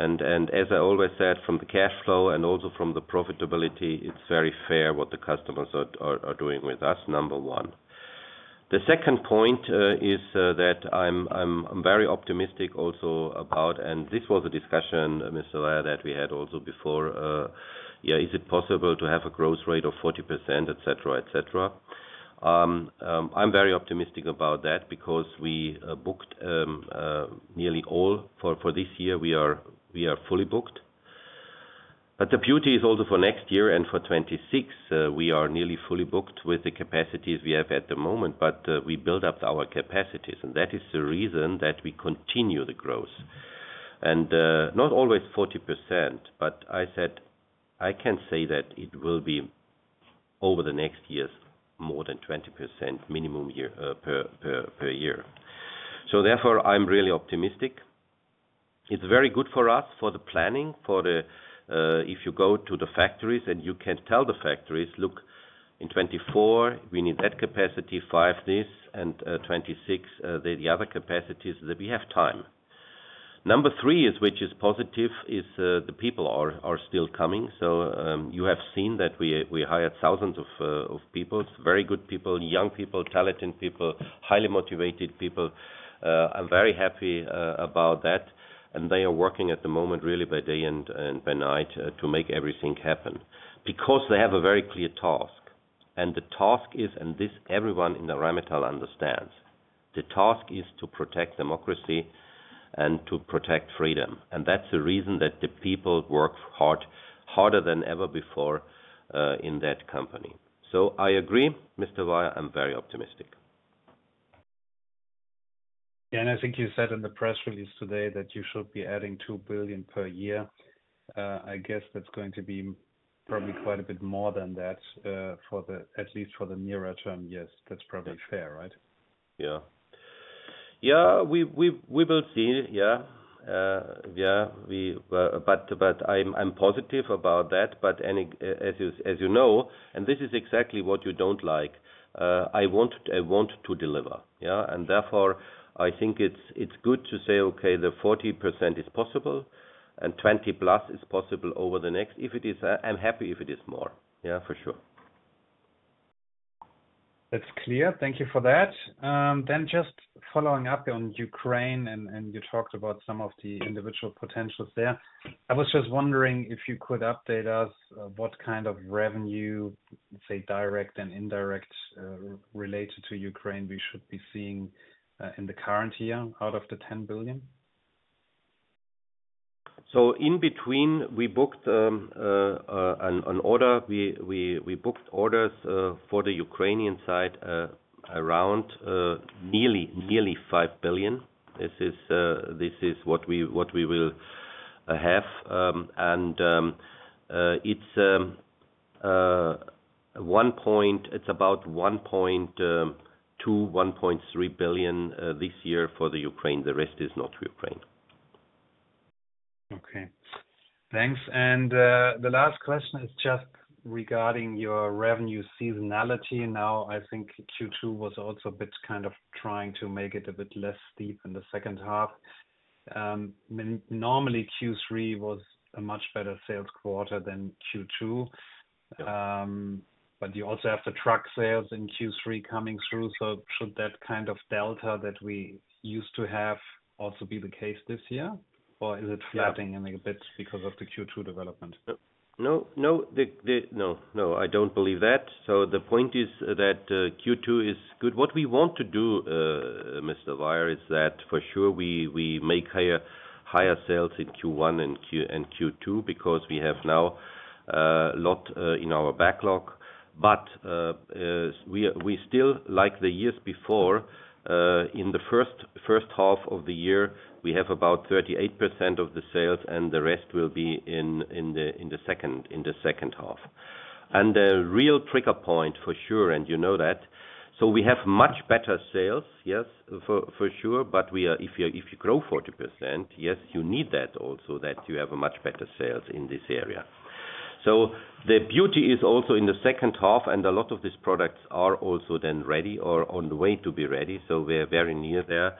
S2: And as I always said, from the cash flow and also from the profitability, it's very fair what the customers are doing with us, number one. The second point is that I'm very optimistic also about, and this was a discussion, Mr. Weier, that we had also before. Yeah, is it possible to have a growth rate of 40%, etc., etc.? I'm very optimistic about that because we booked nearly all for this year. We are fully booked. But the beauty is also for next year and for 2026, we are nearly fully booked with the capacities we have at the moment, but we build up our capacities, and that is the reason that we continue the growth. And not always 40%, but I said, I can say that it will be over the next years more than 20% minimum per year. So therefore, I'm really optimistic. It's very good for us for the planning, for if you go to the factories and you can tell the factories, "Look, in 2024, we need that capacity, 2025 this, and 2026 the other capacities," that we have time. Number three, which is positive, is the people are still coming. So you have seen that we hired thousands of people, very good people, young people, talented people, highly motivated people. I'm very happy about that. They are working at the moment really by day and by night to make everything happen because they have a very clear task. The task is, and this everyone in the Rheinmetall understands, the task is to protect democracy and to protect freedom. That's the reason that the people work harder than ever before in that company. So I agree, Mr. Weier, I'm very optimistic.
S5: Yeah, and I think you said in the press release today that you should be adding 2 billion per year. I guess that's going to be probably quite a bit more than that, at least for the nearer term years. That's probably fair, right?
S2: Yeah. Yeah, we will see. Yeah. Yeah, but I'm positive about that. But as you know, and this is exactly what you don't like, I want to deliver. Yeah. Therefore, I think it's good to say, "Okay, the 40% is possible and 20%+ is possible over the next." If it is, I'm happy if it is more. Yeah, for sure.
S5: That's clear. Thank you for that. Then just following up on Ukraine, and you talked about some of the individual potentials there. I was just wondering if you could update us what kind of revenue, say, direct and indirect related to Ukraine we should be seeing in the current year out of the 10 billion.
S2: So in between, we booked an order. We booked orders for the Ukrainian side around nearly 5 billion. This is what we will have. And it's one point, it's about 1.2 billion-1.3 billion this year for the Ukraine. The rest is not for Ukraine.
S5: Okay. Thanks. And the last question is just regarding your revenue seasonality? Now, I think Q2 was also a bit kind of trying to make it a bit less steep in the second half. Normally, Q3 was a much better sales quarter than Q2. But you also have the truck sales in Q3 coming through. So should that kind of delta that we used to have also be the case this year? Or is it flattening a bit because of the Q2 development?
S2: No, no, no, no, I don't believe that. So the point is that Q2 is good. What we want to do, Mr. Weier, is that for sure we make higher sales in Q1 and Q2 because we have now a lot in our backlog. But we still, like the years before, in the first half of the year, we have about 38% of the sales, and the rest will be in the second half. The real trigger point for sure, and you know that. So we have much better sales, yes, for sure. But if you grow 40%, yes, you need that also, that you have much better sales in this area. So the beauty is also in the second half, and a lot of these products are also then ready or on the way to be ready. So we're very near there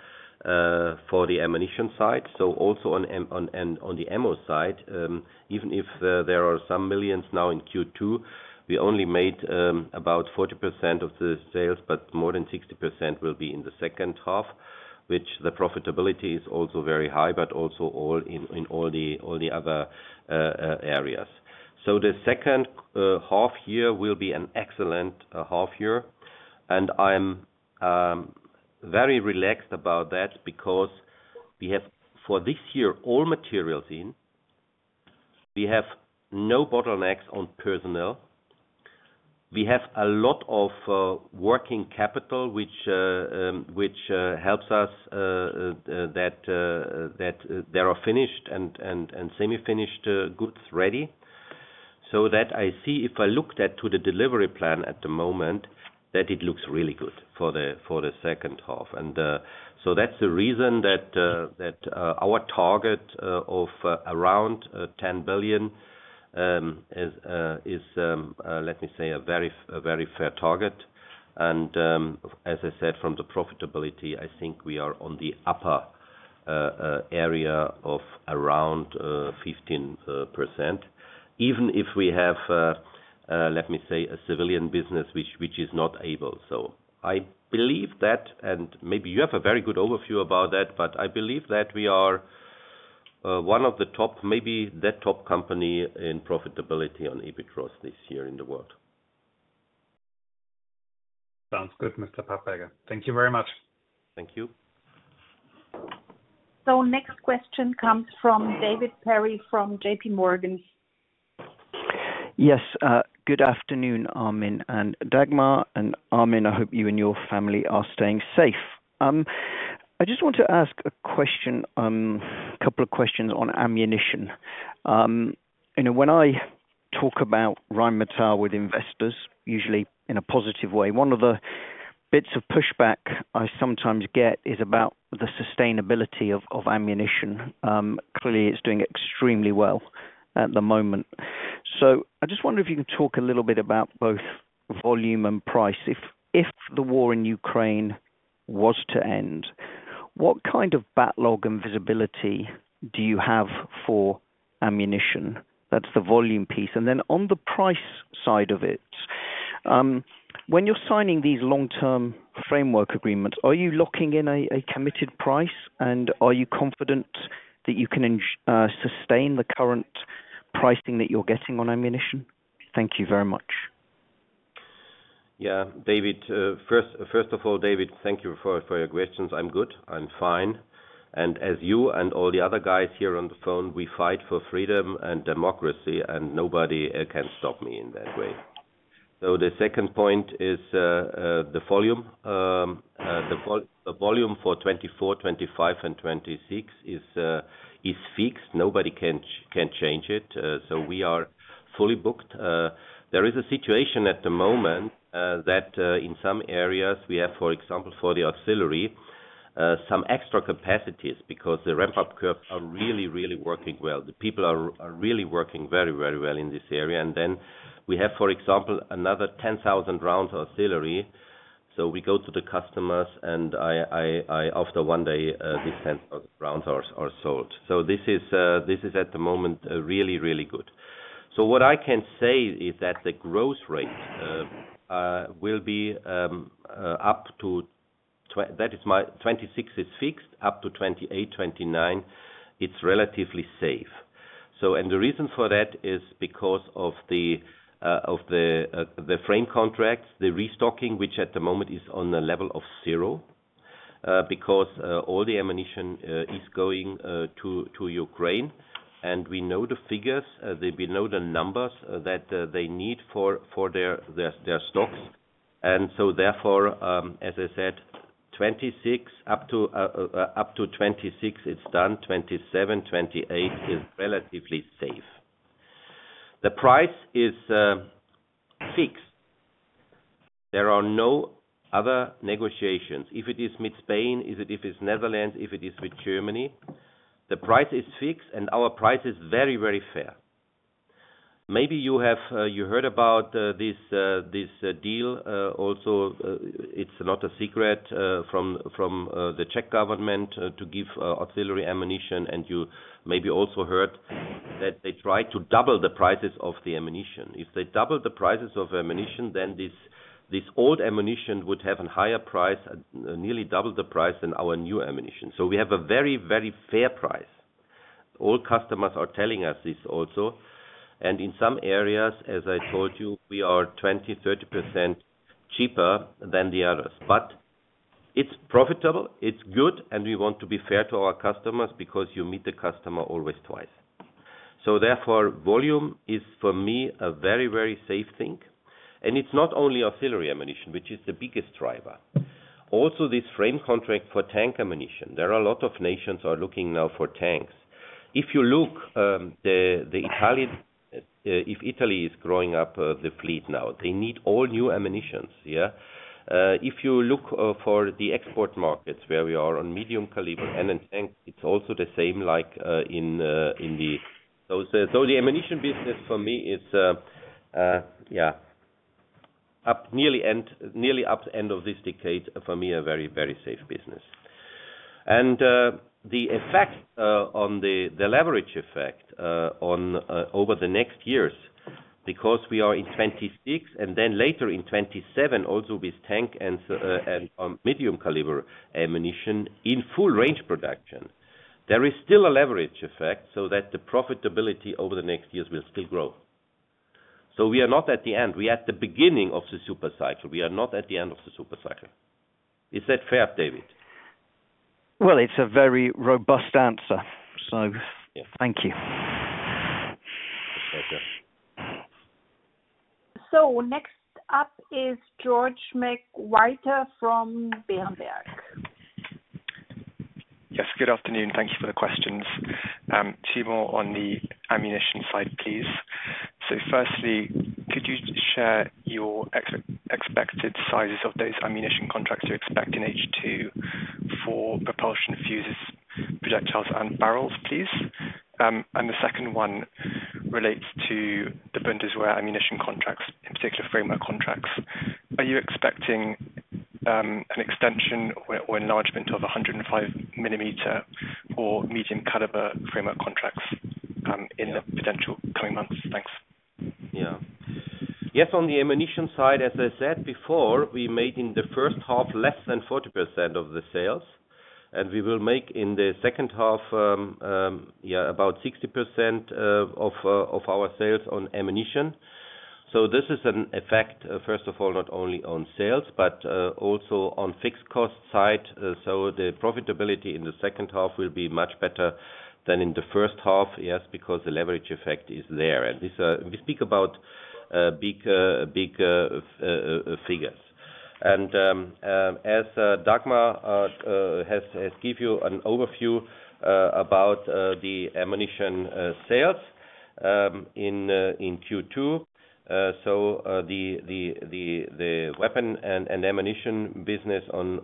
S2: for the ammunition side. So also on the ammo side, even if there are some millions now in Q2, we only made about 40% of the sales, but more than 60% will be in the second half, which the profitability is also very high, but also all in all the other areas. So the second half year will be an excellent half year. And I'm very relaxed about that because we have for this year all materials in. We have no bottlenecks on personnel. We have a lot of working capital, which helps us that there are finished and semi-finished goods ready. So that I see if I looked at the delivery plan at the moment, that it looks really good for the second half. And so that's the reason that our target of around 10 billion is, let me say, a very fair target. And as I said, from the profitability, I think we are on the upper area of around 15%, even if we have, let me say, a civilian business which is not able. So I believe that, and maybe you have a very good overview about that, but I believe that we are one of the top, maybe the top company in profitability on EBITDA this year in the world.
S5: Sounds good, Mr. Papperger. Thank you very much.
S2: Thank you.
S1: So next question comes from David Perry from JP Morgan.
S6: Yes. Good afternoon, Armin and Dagmar. And Armin, I hope you and your family are staying safe. I just want to ask a question, a couple of questions on ammunition. When I talk about Rheinmetall with investors, usually in a positive way, one of the bits of pushback I sometimes get is about the sustainability of ammunition. Clearly, it's doing extremely well at the moment. So I just wonder if you can talk a little bit about both volume and price. If the war in Ukraine was to end, what kind of backlog and visibility do you have for ammunition? That's the volume piece. And then on the price side of it, when you're signing these long-term framework agreements, are you locking in a committed price? And are you confident that you can sustain the current pricing that you're getting on ammunition? Thank you very much.
S2: Yeah. David, first of all, David, thank you for your questions. I'm good. I'm fine. And as you and all the other guys here on the phone, we fight for freedom and democracy, and nobody can stop me in that way. So the second point is the volume. The volume for 2024, 2025, and 2026 is fixed. Nobody can change it. So we are fully booked. There is a situation at the moment that in some areas we have, for example, for the artillery, some extra capacities because the ramp-up curve are really, really working well. The people are really working very, very well in this area. And then we have, for example, another 10,000 rounds artillery. So we go to the customers, and after one day, these rounds are sold. So this is at the moment really, really good. So what I can say is that the growth rate will be up to that is my 2026 is fixed up to 2028, 2029. It's relatively safe. And the reason for that is because of the frame contracts, the restocking, which at the moment is on the level of zero because all the ammunition is going to Ukraine. And we know the figures. We know the numbers that they need for their stocks. And so therefore, as I said, 2026 up to 2026, it's done. 2027, 2028 is relatively safe. The price is fixed. There are no other negotiations. If it is with Spain, if it is Netherlands, if it is with Germany, the price is fixed, and our price is very, very fair. Maybe you heard about this deal. Also, it's not a secret from the Czech government to give artillery ammunition. You maybe also heard that they tried to double the prices of the ammunition. If they double the prices of ammunition, then this old ammunition would have a higher price, nearly double the price than our new ammunition. We have a very, very fair price. All customers are telling us this also. In some areas, as I told you, we are 20%-30% cheaper than the others. But it's profitable. It's good. We want to be fair to our customers because you meet the customer always twice. Therefore, volume is for me a very, very safe thing. It's not only artillery ammunition, which is the biggest driver. Also, this frame contract for tank ammunition. There are a lot of nations looking now for tanks. If you look, if Italy is growing up the fleet now, they need all new ammunition. Yeah. If you look for the export markets, where we are on medium caliber and in tank, it's also the same like in the. So the ammunition business for me is, yeah, up nearly up to the end of this decade for me a very, very safe business. And the effect on the leverage effect over the next years because we are in 2026 and then later in 2027 also with tank and medium caliber ammunition in full range production, there is still a leverage effect so that the profitability over the next years will still grow. So we are not at the end. We are at the beginning of the super cycle. We are not at the end of the super cycle. Is that fair, David?
S6: Well, it's a very robust answer. So thank you.
S1: So next up is George McWhirter from Berenberg.
S7: Yes. Good afternoon. Thank you for the questions. Two more on the ammunition side, please. So firstly, could you share your expected sizes of those ammunition contracts you expect in H2 for propulsion, fuzes, projectiles, and barrels, please? And the second one relates to the Bundeswehr ammunition contracts, in particular framework contracts. Are you expecting an extension or enlargement of 105mm or medium caliber framework contracts in the potential coming months? Thanks.
S2: Yeah. Yes. On the ammunition side, as I said before, we made in the first half less than 40% of the sales. And we will make in the second half, yeah, about 60% of our sales on ammunition. So this is an effect, first of all, not only on sales, but also on fixed cost side. So the profitability in the second half will be much better than in the first half, yes, because the leverage effect is there. And we speak about big figures. And as Dagmar has given you an overview about the ammunition sales in Q2, so the weapon and ammunition business on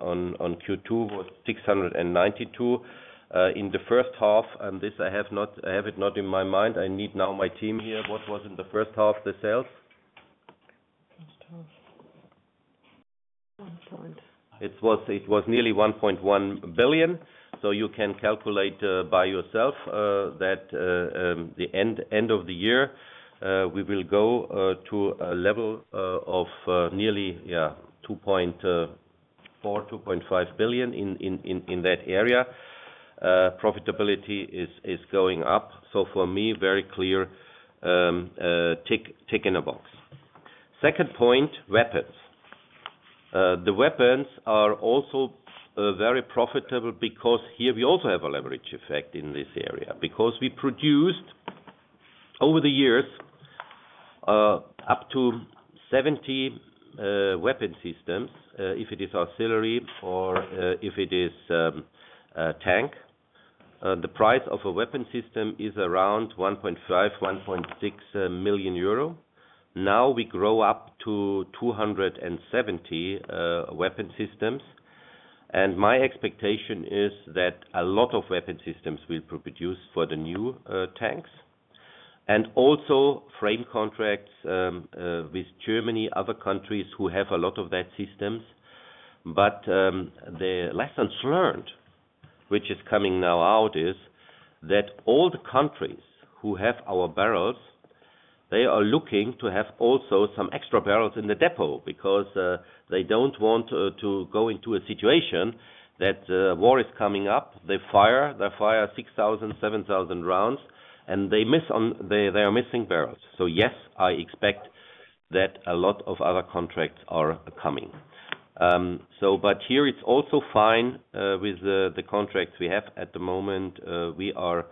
S2: Q2 was 692 million in the first half. And this I have it not in my mind. I need now my team here. What was in the first half the sales? One point. It was nearly 1.1 billion. So you can calculate by yourself that the end of the year, we will go to a level of nearly, yeah, 2.4 billion-2.5 billion in that area. Profitability is going up. So for me, very clear, tick in a box. Second point, weapons. The weapons are also very profitable because here we also have a leverage effect in this area because we produced over the years up to 70 weapon systems, if it is artillery or if it is tank. The price of a weapon system is around 1.5 million-1.6 million euro. Now we grow up to 270 weapon systems. And my expectation is that a lot of weapon systems will be produced for the new tanks. And also frame contracts with Germany, other countries who have a lot of that systems. But the lessons learned, which is coming now out, is that all the countries who have our barrels, they are looking to have also some extra barrels in the depot because they don't want to go into a situation that war is coming up. They fire, they fire 6,000-7,000 rounds, and they miss on their missing barrels. So yes, I expect that a lot of other contracts are coming. But here it's also fine with the contracts we have at the moment. We are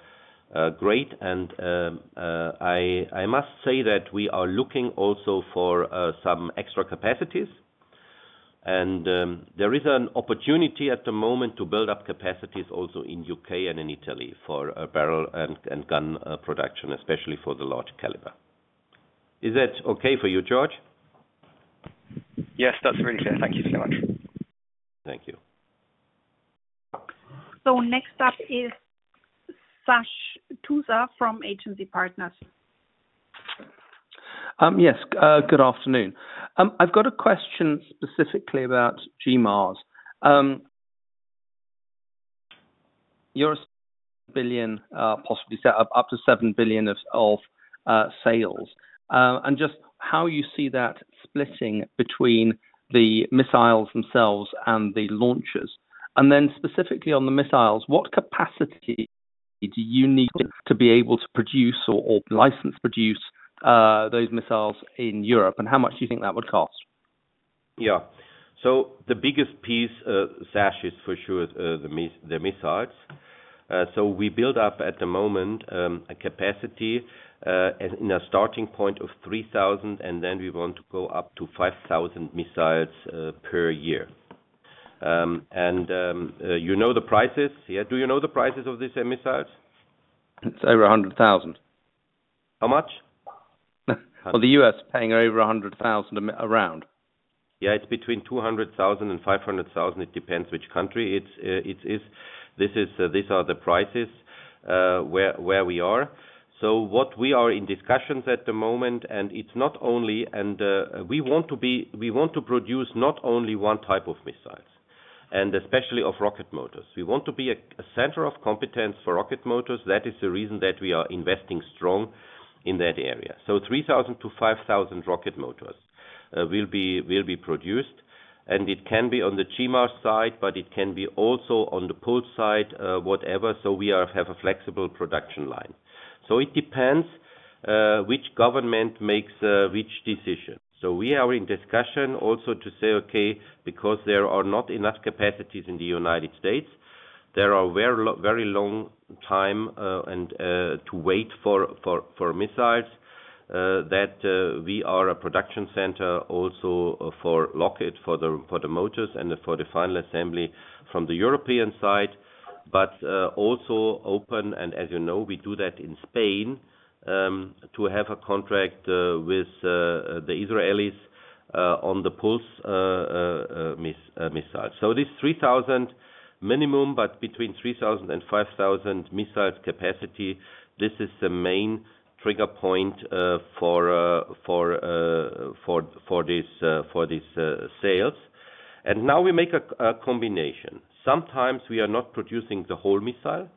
S2: great. And I must say that we are looking also for some extra capacities. And there is an opportunity at the moment to build up capacities also in the U.K. and in Italy for barrel and gun production, especially for the large caliber. Is that okay for you, George?
S7: Yes, that's very clear. Thank you so much.
S2: Thank you.
S1: So next up is Sascha Tusa from Agency Partners.
S8: Yes. Good afternoon. I've got a question specifically about GMARS. Your billion possibly set up to 7 billion of sales. And just how you see that splitting between the missiles themselves and the launchers. Then specifically on the missiles, what capacity do you need to be able to produce or license produce those missiles in Europe? And how much do you think that would cost?
S2: Yeah. So the biggest piece, Sascha, is for sure the missiles. So we build up at the moment a capacity in a starting point of 3,000, and then we want to go up to 5,000 missiles per year. And you know the prices? Yeah. Do you know the prices of these missiles?
S9: It's over $100,000.
S2: How much?
S9: For the US, paying over $100,000 a round?
S2: Yeah, it's between $200,000-$500,000. It depends which country it is. This are the prices where we are. So what we are in discussions at the moment, and it's not only, and we want to produce not only one type of missiles, and especially of rocket motors. We want to be a center of competence for rocket motors. That is the reason that we are investing strong in that area. So 3,000-5,000 rocket motors will be produced. And it can be on the GMARS side, but it can be also on the PULS side, whatever. So we have a flexible production line. So it depends which government makes which decision. So we are in discussion also to say, okay, because there are not enough capacities in the United States, there are very long time to wait for missiles, that we are a production center also for rocket for the motors and for the final assembly from the European side, but also open. And as you know, we do that in Spain to have a contract with the Israelis on the PULS missiles. So this 3,000 minimum, but between 3,000 and 5,000 missiles capacity, this is the main trigger point for these sales. And now we make a combination. Sometimes we are not producing the whole missile.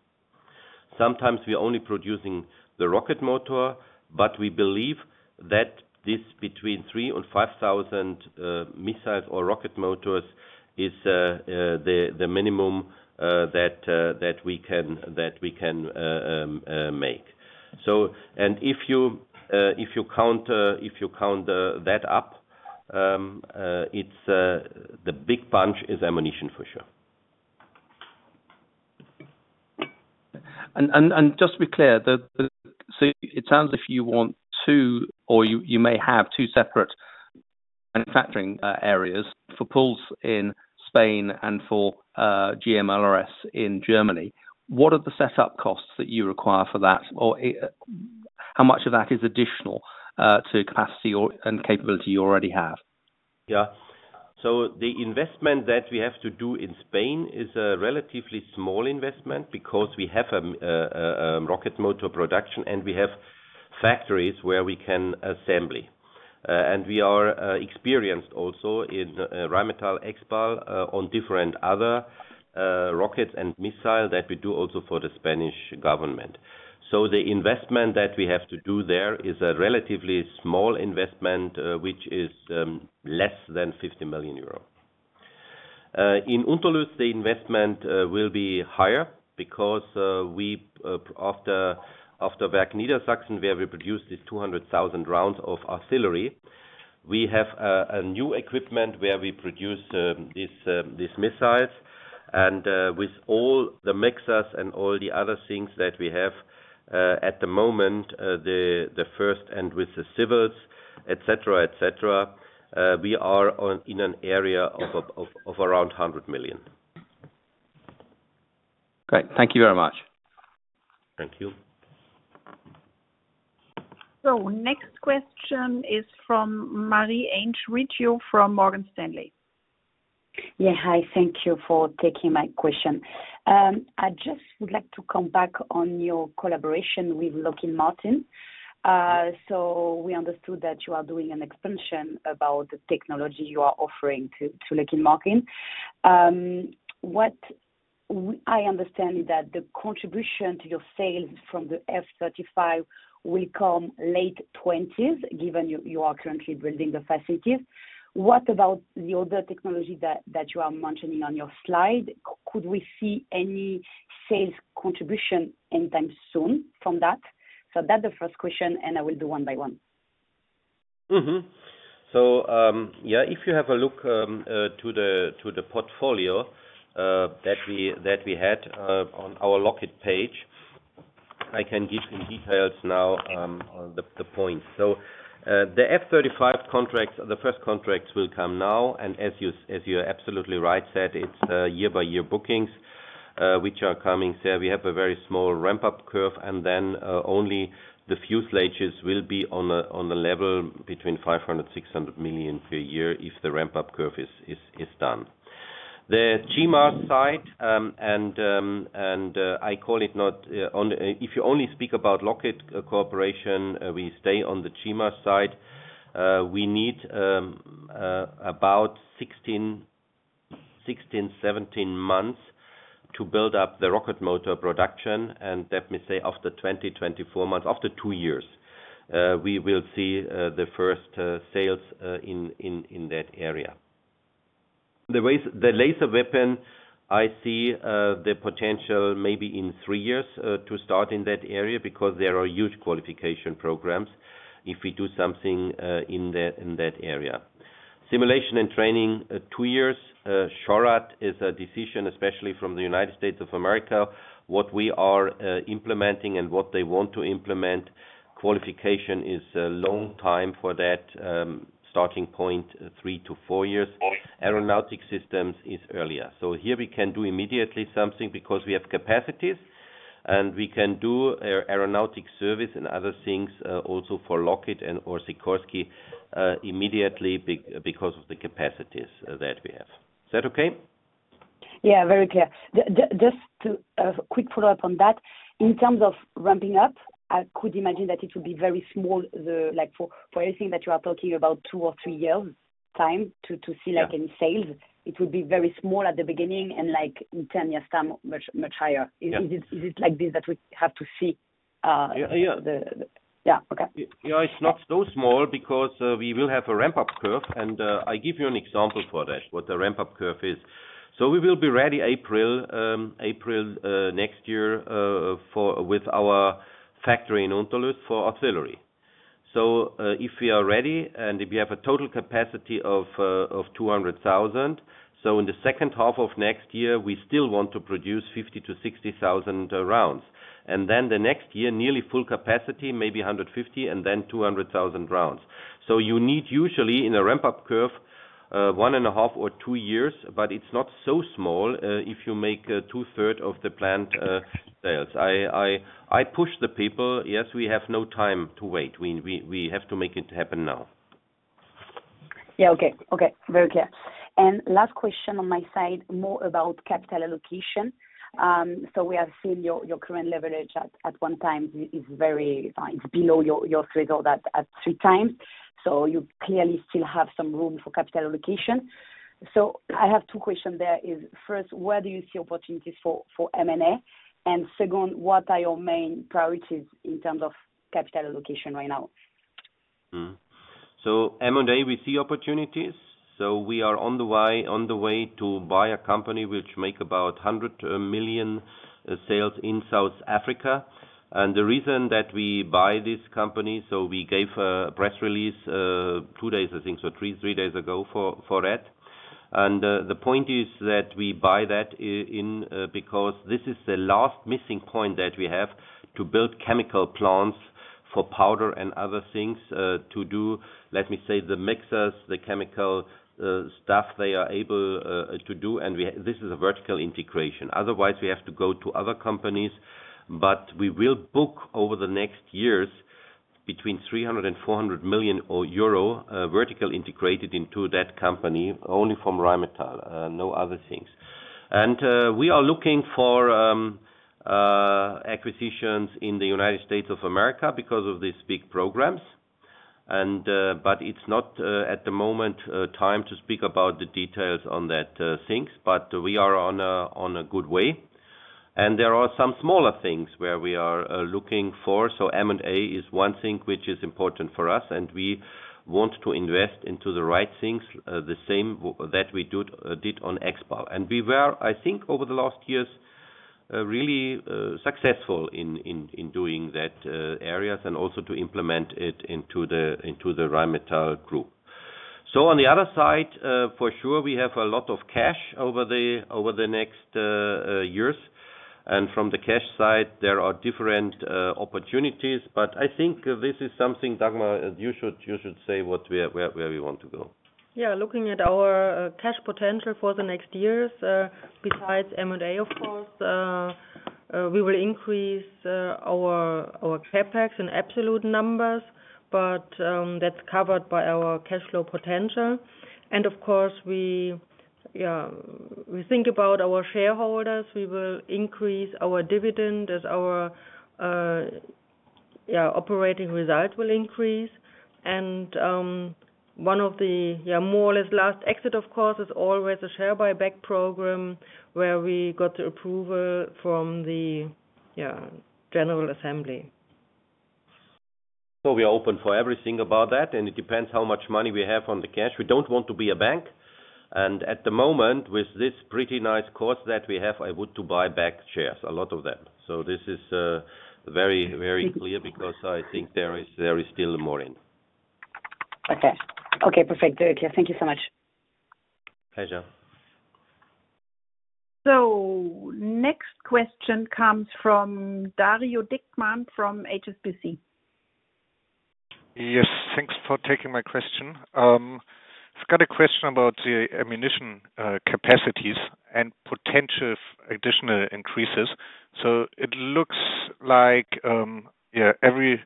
S2: Sometimes we are only producing the rocket motor, but we believe that this between 3,000 and 5,000 missiles or rocket motors is the minimum that we can make. And if you count that up, the big bunch is ammunition for sure.
S8: And just to be clear, so it sounds if you want two or you may have two separate manufacturing areas for PULS in Spain and for GMLRS in Germany, what are the setup costs that you require for that? Or how much of that is additional to capacity and capability you already have?
S2: Yeah. So the investment that we have to do in Spain is a relatively small investment because we have a rocket motor production and we have factories where we can assemble. And we are experienced also in Rheinmetall Expal on different other rockets and missiles that we do also for the Spanish government. So the investment that we have to do there is a relatively small investment, which is less than 50 million euro. In Unterlüß, the investment will be higher because after Werk Niedersachsen, where we produced 200,000 rounds of artillery, we have a new equipment where we produce these missiles. And with all the mixers and all the other things that we have at the moment, the first and with the civils, etc., etc., we are in an area of around 100 million.
S8: Great. Thank you very much.
S2: Thank you.
S1: So next question is from Marie-Ange Riggio from Morgan Stanley.
S10: Yeah. Hi. Thank you for taking my question. I just would like to come back on your collaboration with Lockheed Martin. So we understood that you are doing an expansion about the technology you are offering to Lockheed Martin. What I understand is that the contribution to your sales from the F-35 will come late 2020s, given you are currently building the facilities. What about the other technology that you are mentioning on your slide? Could we see any sales contribution anytime soon from that? So that's the first question, and I will do one by one.
S2: So yeah, if you have a look to the portfolio that we had on our Lockheed page, I can give you details now on the points. So the F-35 contracts, the first contracts will come now. As you're absolutely right, said, it's year-by-year bookings which are coming. So we have a very small ramp-up curve, and then only the fuselages will be on the level between 500 million-600 million per year if the ramp-up curve is done. The GMARS side, and I call it not if you only speak about Lockheed Corporation, we stay on the GMARS side. We need about 16-17 months to build up the rocket motor production. And let me say after 20-24 months, after two years, we will see the first sales in that area. The laser weapon, I see the potential maybe in three years to start in that area because there are huge qualification programs if we do something in that area. Simulation and training, two years. SHORAD is a decision, especially from the United States of America, what we are implementing and what they want to implement. Qualification is a long time for that starting point, three-four years. Aeronautic systems is earlier. So here we can do immediately something because we have capacities, and we can do aeronautic service and other things also for Lockheed and/or Sikorsky immediately because of the capacities that we have. Is that okay?
S10: Yeah, very clear. Just a quick follow-up on that. In terms of ramping up, I could imagine that it would be very small for anything that you are talking about, two-three years' time to see any sales. It would be very small at the beginning and in 10 years' time much higher. Is it like this that we have to see?
S2: Yeah.
S10: Yeah. Okay.
S2: Yeah, it's not so small because we will have a ramp-up curve. And I give you an example for that, what the ramp-up curve is. So we will be ready April next year with our factory in Unterlüß for artillery. So if we are ready and if we have a total capacity of 200,000, so in the second half of next year, we still want to produce 50,000-60,000 rounds. And then the next year, nearly full capacity, maybe 150,000 and then 200,000 rounds. So you need usually in a ramp-up curve, one and a half or two years, but it's not so small if you make two-thirds of the plant sales. I push the people. Yes, we have no time to wait. We have to make it happen now.
S10: Yeah. Okay. Okay. Very clear. And last question on my side, more about capital allocation. So we have seen your current leverage at 1x is below your threshold at 3x. So you clearly still have some room for capital allocation. So I have two questions there. First, where do you see opportunities for M&A? And second, what are your main priorities in terms of capital allocation right now?
S2: So M&A, we see opportunities. So we are on the way to buy a company which makes about 100 million sales in South Africa. And the reason that we buy this company, so we gave a press release two days, I think, so three days ago for that. And the point is that we buy that because this is the last missing point that we have to build chemical plants for powder and other things to do, let me say, the mixers, the chemical stuff they are able to do. This is a vertical integration. Otherwise, we have to go to other companies. We will book over the next years between 300 million euro and 400 million euro vertically integrated into that company, only from Rheinmetall, no other things. We are looking for acquisitions in the United States of America because of these big programs. It's not at the moment time to speak about the details on that things, but we are on a good way. There are some smaller things where we are looking for. M&A is one thing which is important for us, and we want to invest into the right things, the same that we did on Expal. We were, I think, over the last years really successful in doing that areas and also to implement it into the Rheinmetall group. So, on the other side, for sure, we have a lot of cash over the next years. And from the cash side, there are different opportunities. But I think this is something, Dagmar, you should say what we want to go.
S3: Yeah. Looking at our cash potential for the next years, besides M&A, of course, we will increase our CapEx in absolute numbers, but that's covered by our cash flow potential. And of course, yeah, we think about our shareholders. We will increase our dividend as our operating result will increase. And one of the more or less last exits, of course, is always a share buyback program where we got the approval from the General Assembly.
S2: So we are open for everything about that, and it depends how much money we have on the cash. We don't want to be a bank. And at the moment, with this pretty nice cost that we have, I would buy back shares, a lot of them. So this is very, very clear because I think there is still more in.
S10: Okay. Okay. Perfect. Very clear. Thank you so much.
S2: Pleasure.
S1: So next question comes from Dario Dickmann from HSBC.
S11: Yes. Thanks for taking my question. I've got a question about the ammunition capacities and potential additional increases. So it looks like every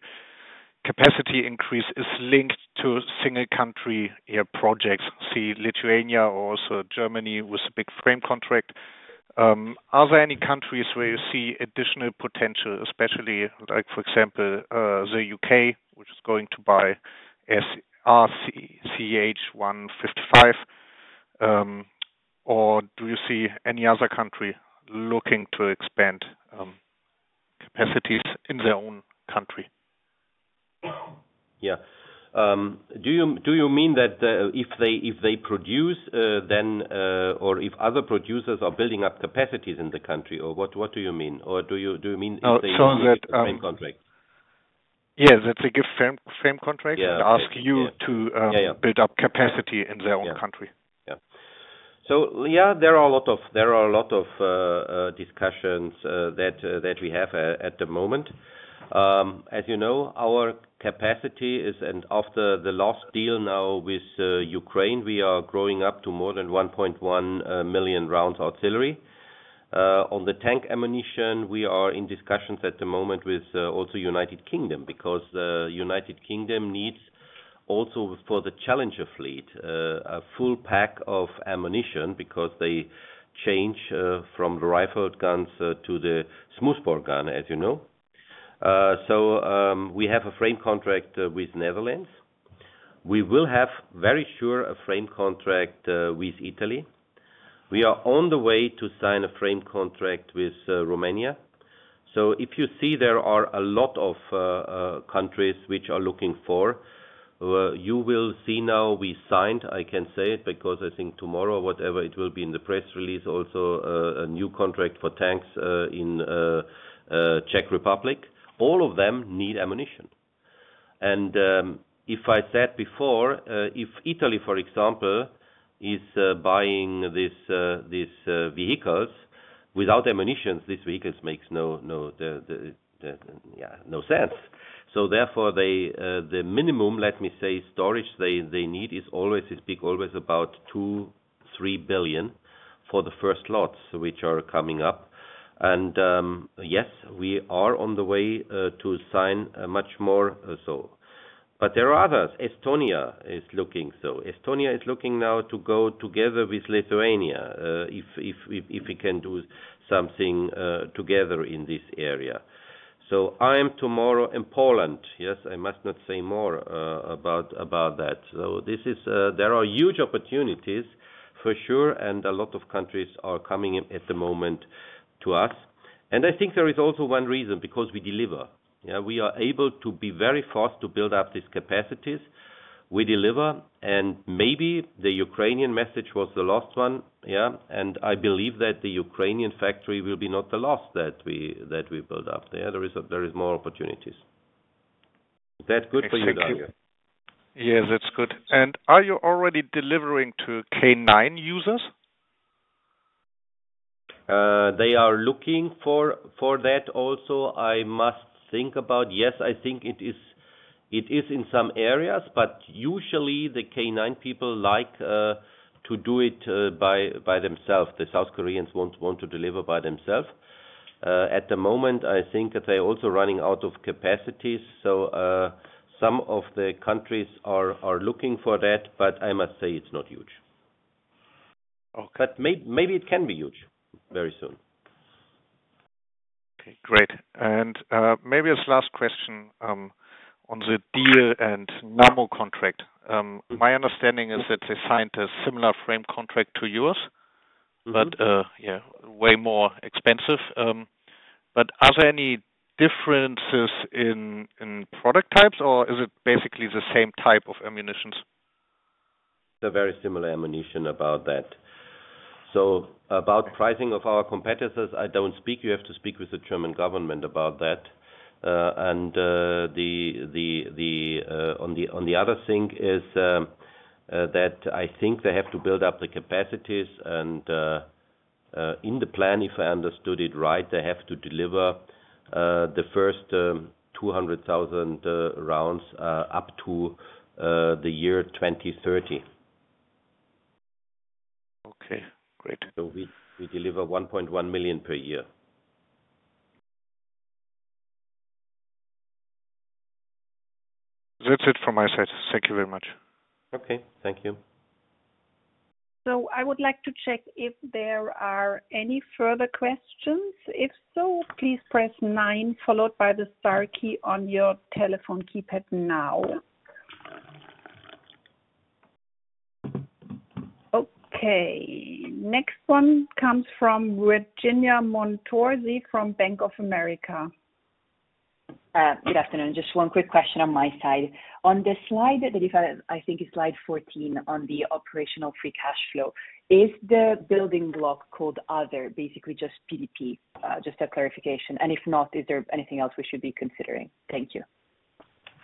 S11: capacity increase is linked to single country projects, see Lithuania or also Germany with a big frame contract. Are there any countries where you see additional potential, especially like, for example, the UK, which is going to buy RCH 155? Or do you see any other country looking to expand capacities in their own country?
S2: Yeah. Do you mean that if they produce or if other producers are building up capacities in the country? Or what do you mean? Or do you mean if they have a frame contract?
S11: Yeah. That's a good frame contract. Ask you to build up capacity in their own country.
S2: Yeah. So yeah, there are a lot of discussions that we have at the moment. As you know, our capacity is, and after the last deal now with Ukraine, we are growing up to more than 1.1 million rounds artillery. On the tank ammunition, we are in discussions at the moment with also the United Kingdom because the United Kingdom needs also for the Challenger fleet a full pack of ammunition because they change from the rifled guns to the smoothbore gun, as you know. So we have a frame contract with Netherlands. We will have very sure a frame contract with Italy. We are on the way to sign a frame contract with Romania. So if you see there are a lot of countries which are looking for, you will see now we signed, I can say, because I think tomorrow, whatever it will be in the press release, also a new contract for tanks in Czech Republic. All of them need ammunition. And if I said before, if Italy, for example, is buying these vehicles without ammunition, these vehicles make no sense. So therefore, the minimum, let me say, storage they need is always big, always about 2 billion-3 billion for the first lots which are coming up. And yes, we are on the way to sign much more also. But there are others. Estonia is looking so. Estonia is looking now to go together with Lithuania if we can do something together in this area. So I'm tomorrow in Poland. Yes, I must not say more about that. So there are huge opportunities for sure, and a lot of countries are coming at the moment to us. And I think there is also one reason because we deliver. We are able to be very fast to build up these capacities. We deliver. And maybe the Ukrainian message was the last one. Yeah. And I believe that the Ukrainian factory will be not the last that we build up. There are very small opportunities. Is that good for you?
S11: Yes, that's good. And are you already delivering to K9 users?
S2: They are looking for that also. I must think about, yes, I think it is in some areas, but usually the K9 people like to do it by themselves. The South Koreans won't want to deliver by themselves. At the moment, I think they're also running out of capacities. Some of the countries are looking for that, but I must say it's not huge. But maybe it can be huge very soon.
S11: Okay. Great. And maybe this last question on the Diehl and Nammo contract. My understanding is that they signed a similar frame contract to yours, but yeah, way more expensive. But are there any differences in product types, or is it basically the same type of ammunition?
S2: They're very similar ammunition about that. So about pricing of our competitors, I don't speak. You have to speak with the German government about that. And on the other thing is that I think they have to build up the capacities. And in the plan, if I understood it right, they have to deliver the first 200,000 rounds up to the year 2030.
S11: Okay. Great.
S2: So we deliver 1.1 million per year.
S11: That's it from my side. Thank you very much.
S2: Okay. Thank you.
S1: So I would like to check if there are any further questions. If so, please press 9 followed by the star key on your telephone keypad now. Okay. Next one comes from Virginia Montorsi from Bank of America.
S12: Good afternoon. Just one quick question on my side. On the slide that you said, I think it's slide 14 on the operational free cash flow, is the building block called other, basically just PDP, just a clarification? And if not, is there anything else we should be considering?
S3: Thank you.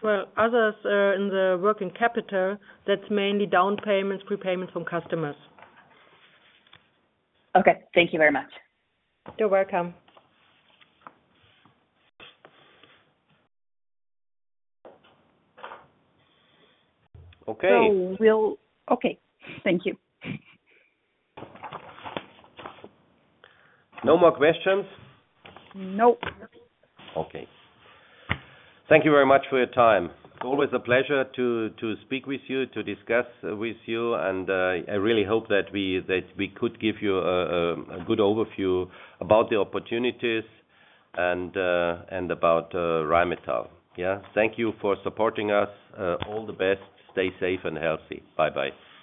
S3: Well, others in the working capital, that's mainly down payments, prepayments from customers.
S12: Okay. Thank you very much.
S3: You're welcome.
S2: Okay.
S1: Okay. Thank you.
S2: No more questions?
S1: Nope.
S2: Okay. Thank you very much for your time. Always a pleasure to speak with you, to discuss with you. I really hope that we could give you a good overview about the opportunities and about Rheinmetall. Yeah. Thank you for supporting us. All the best. Stay safe and healthy. Bye-bye.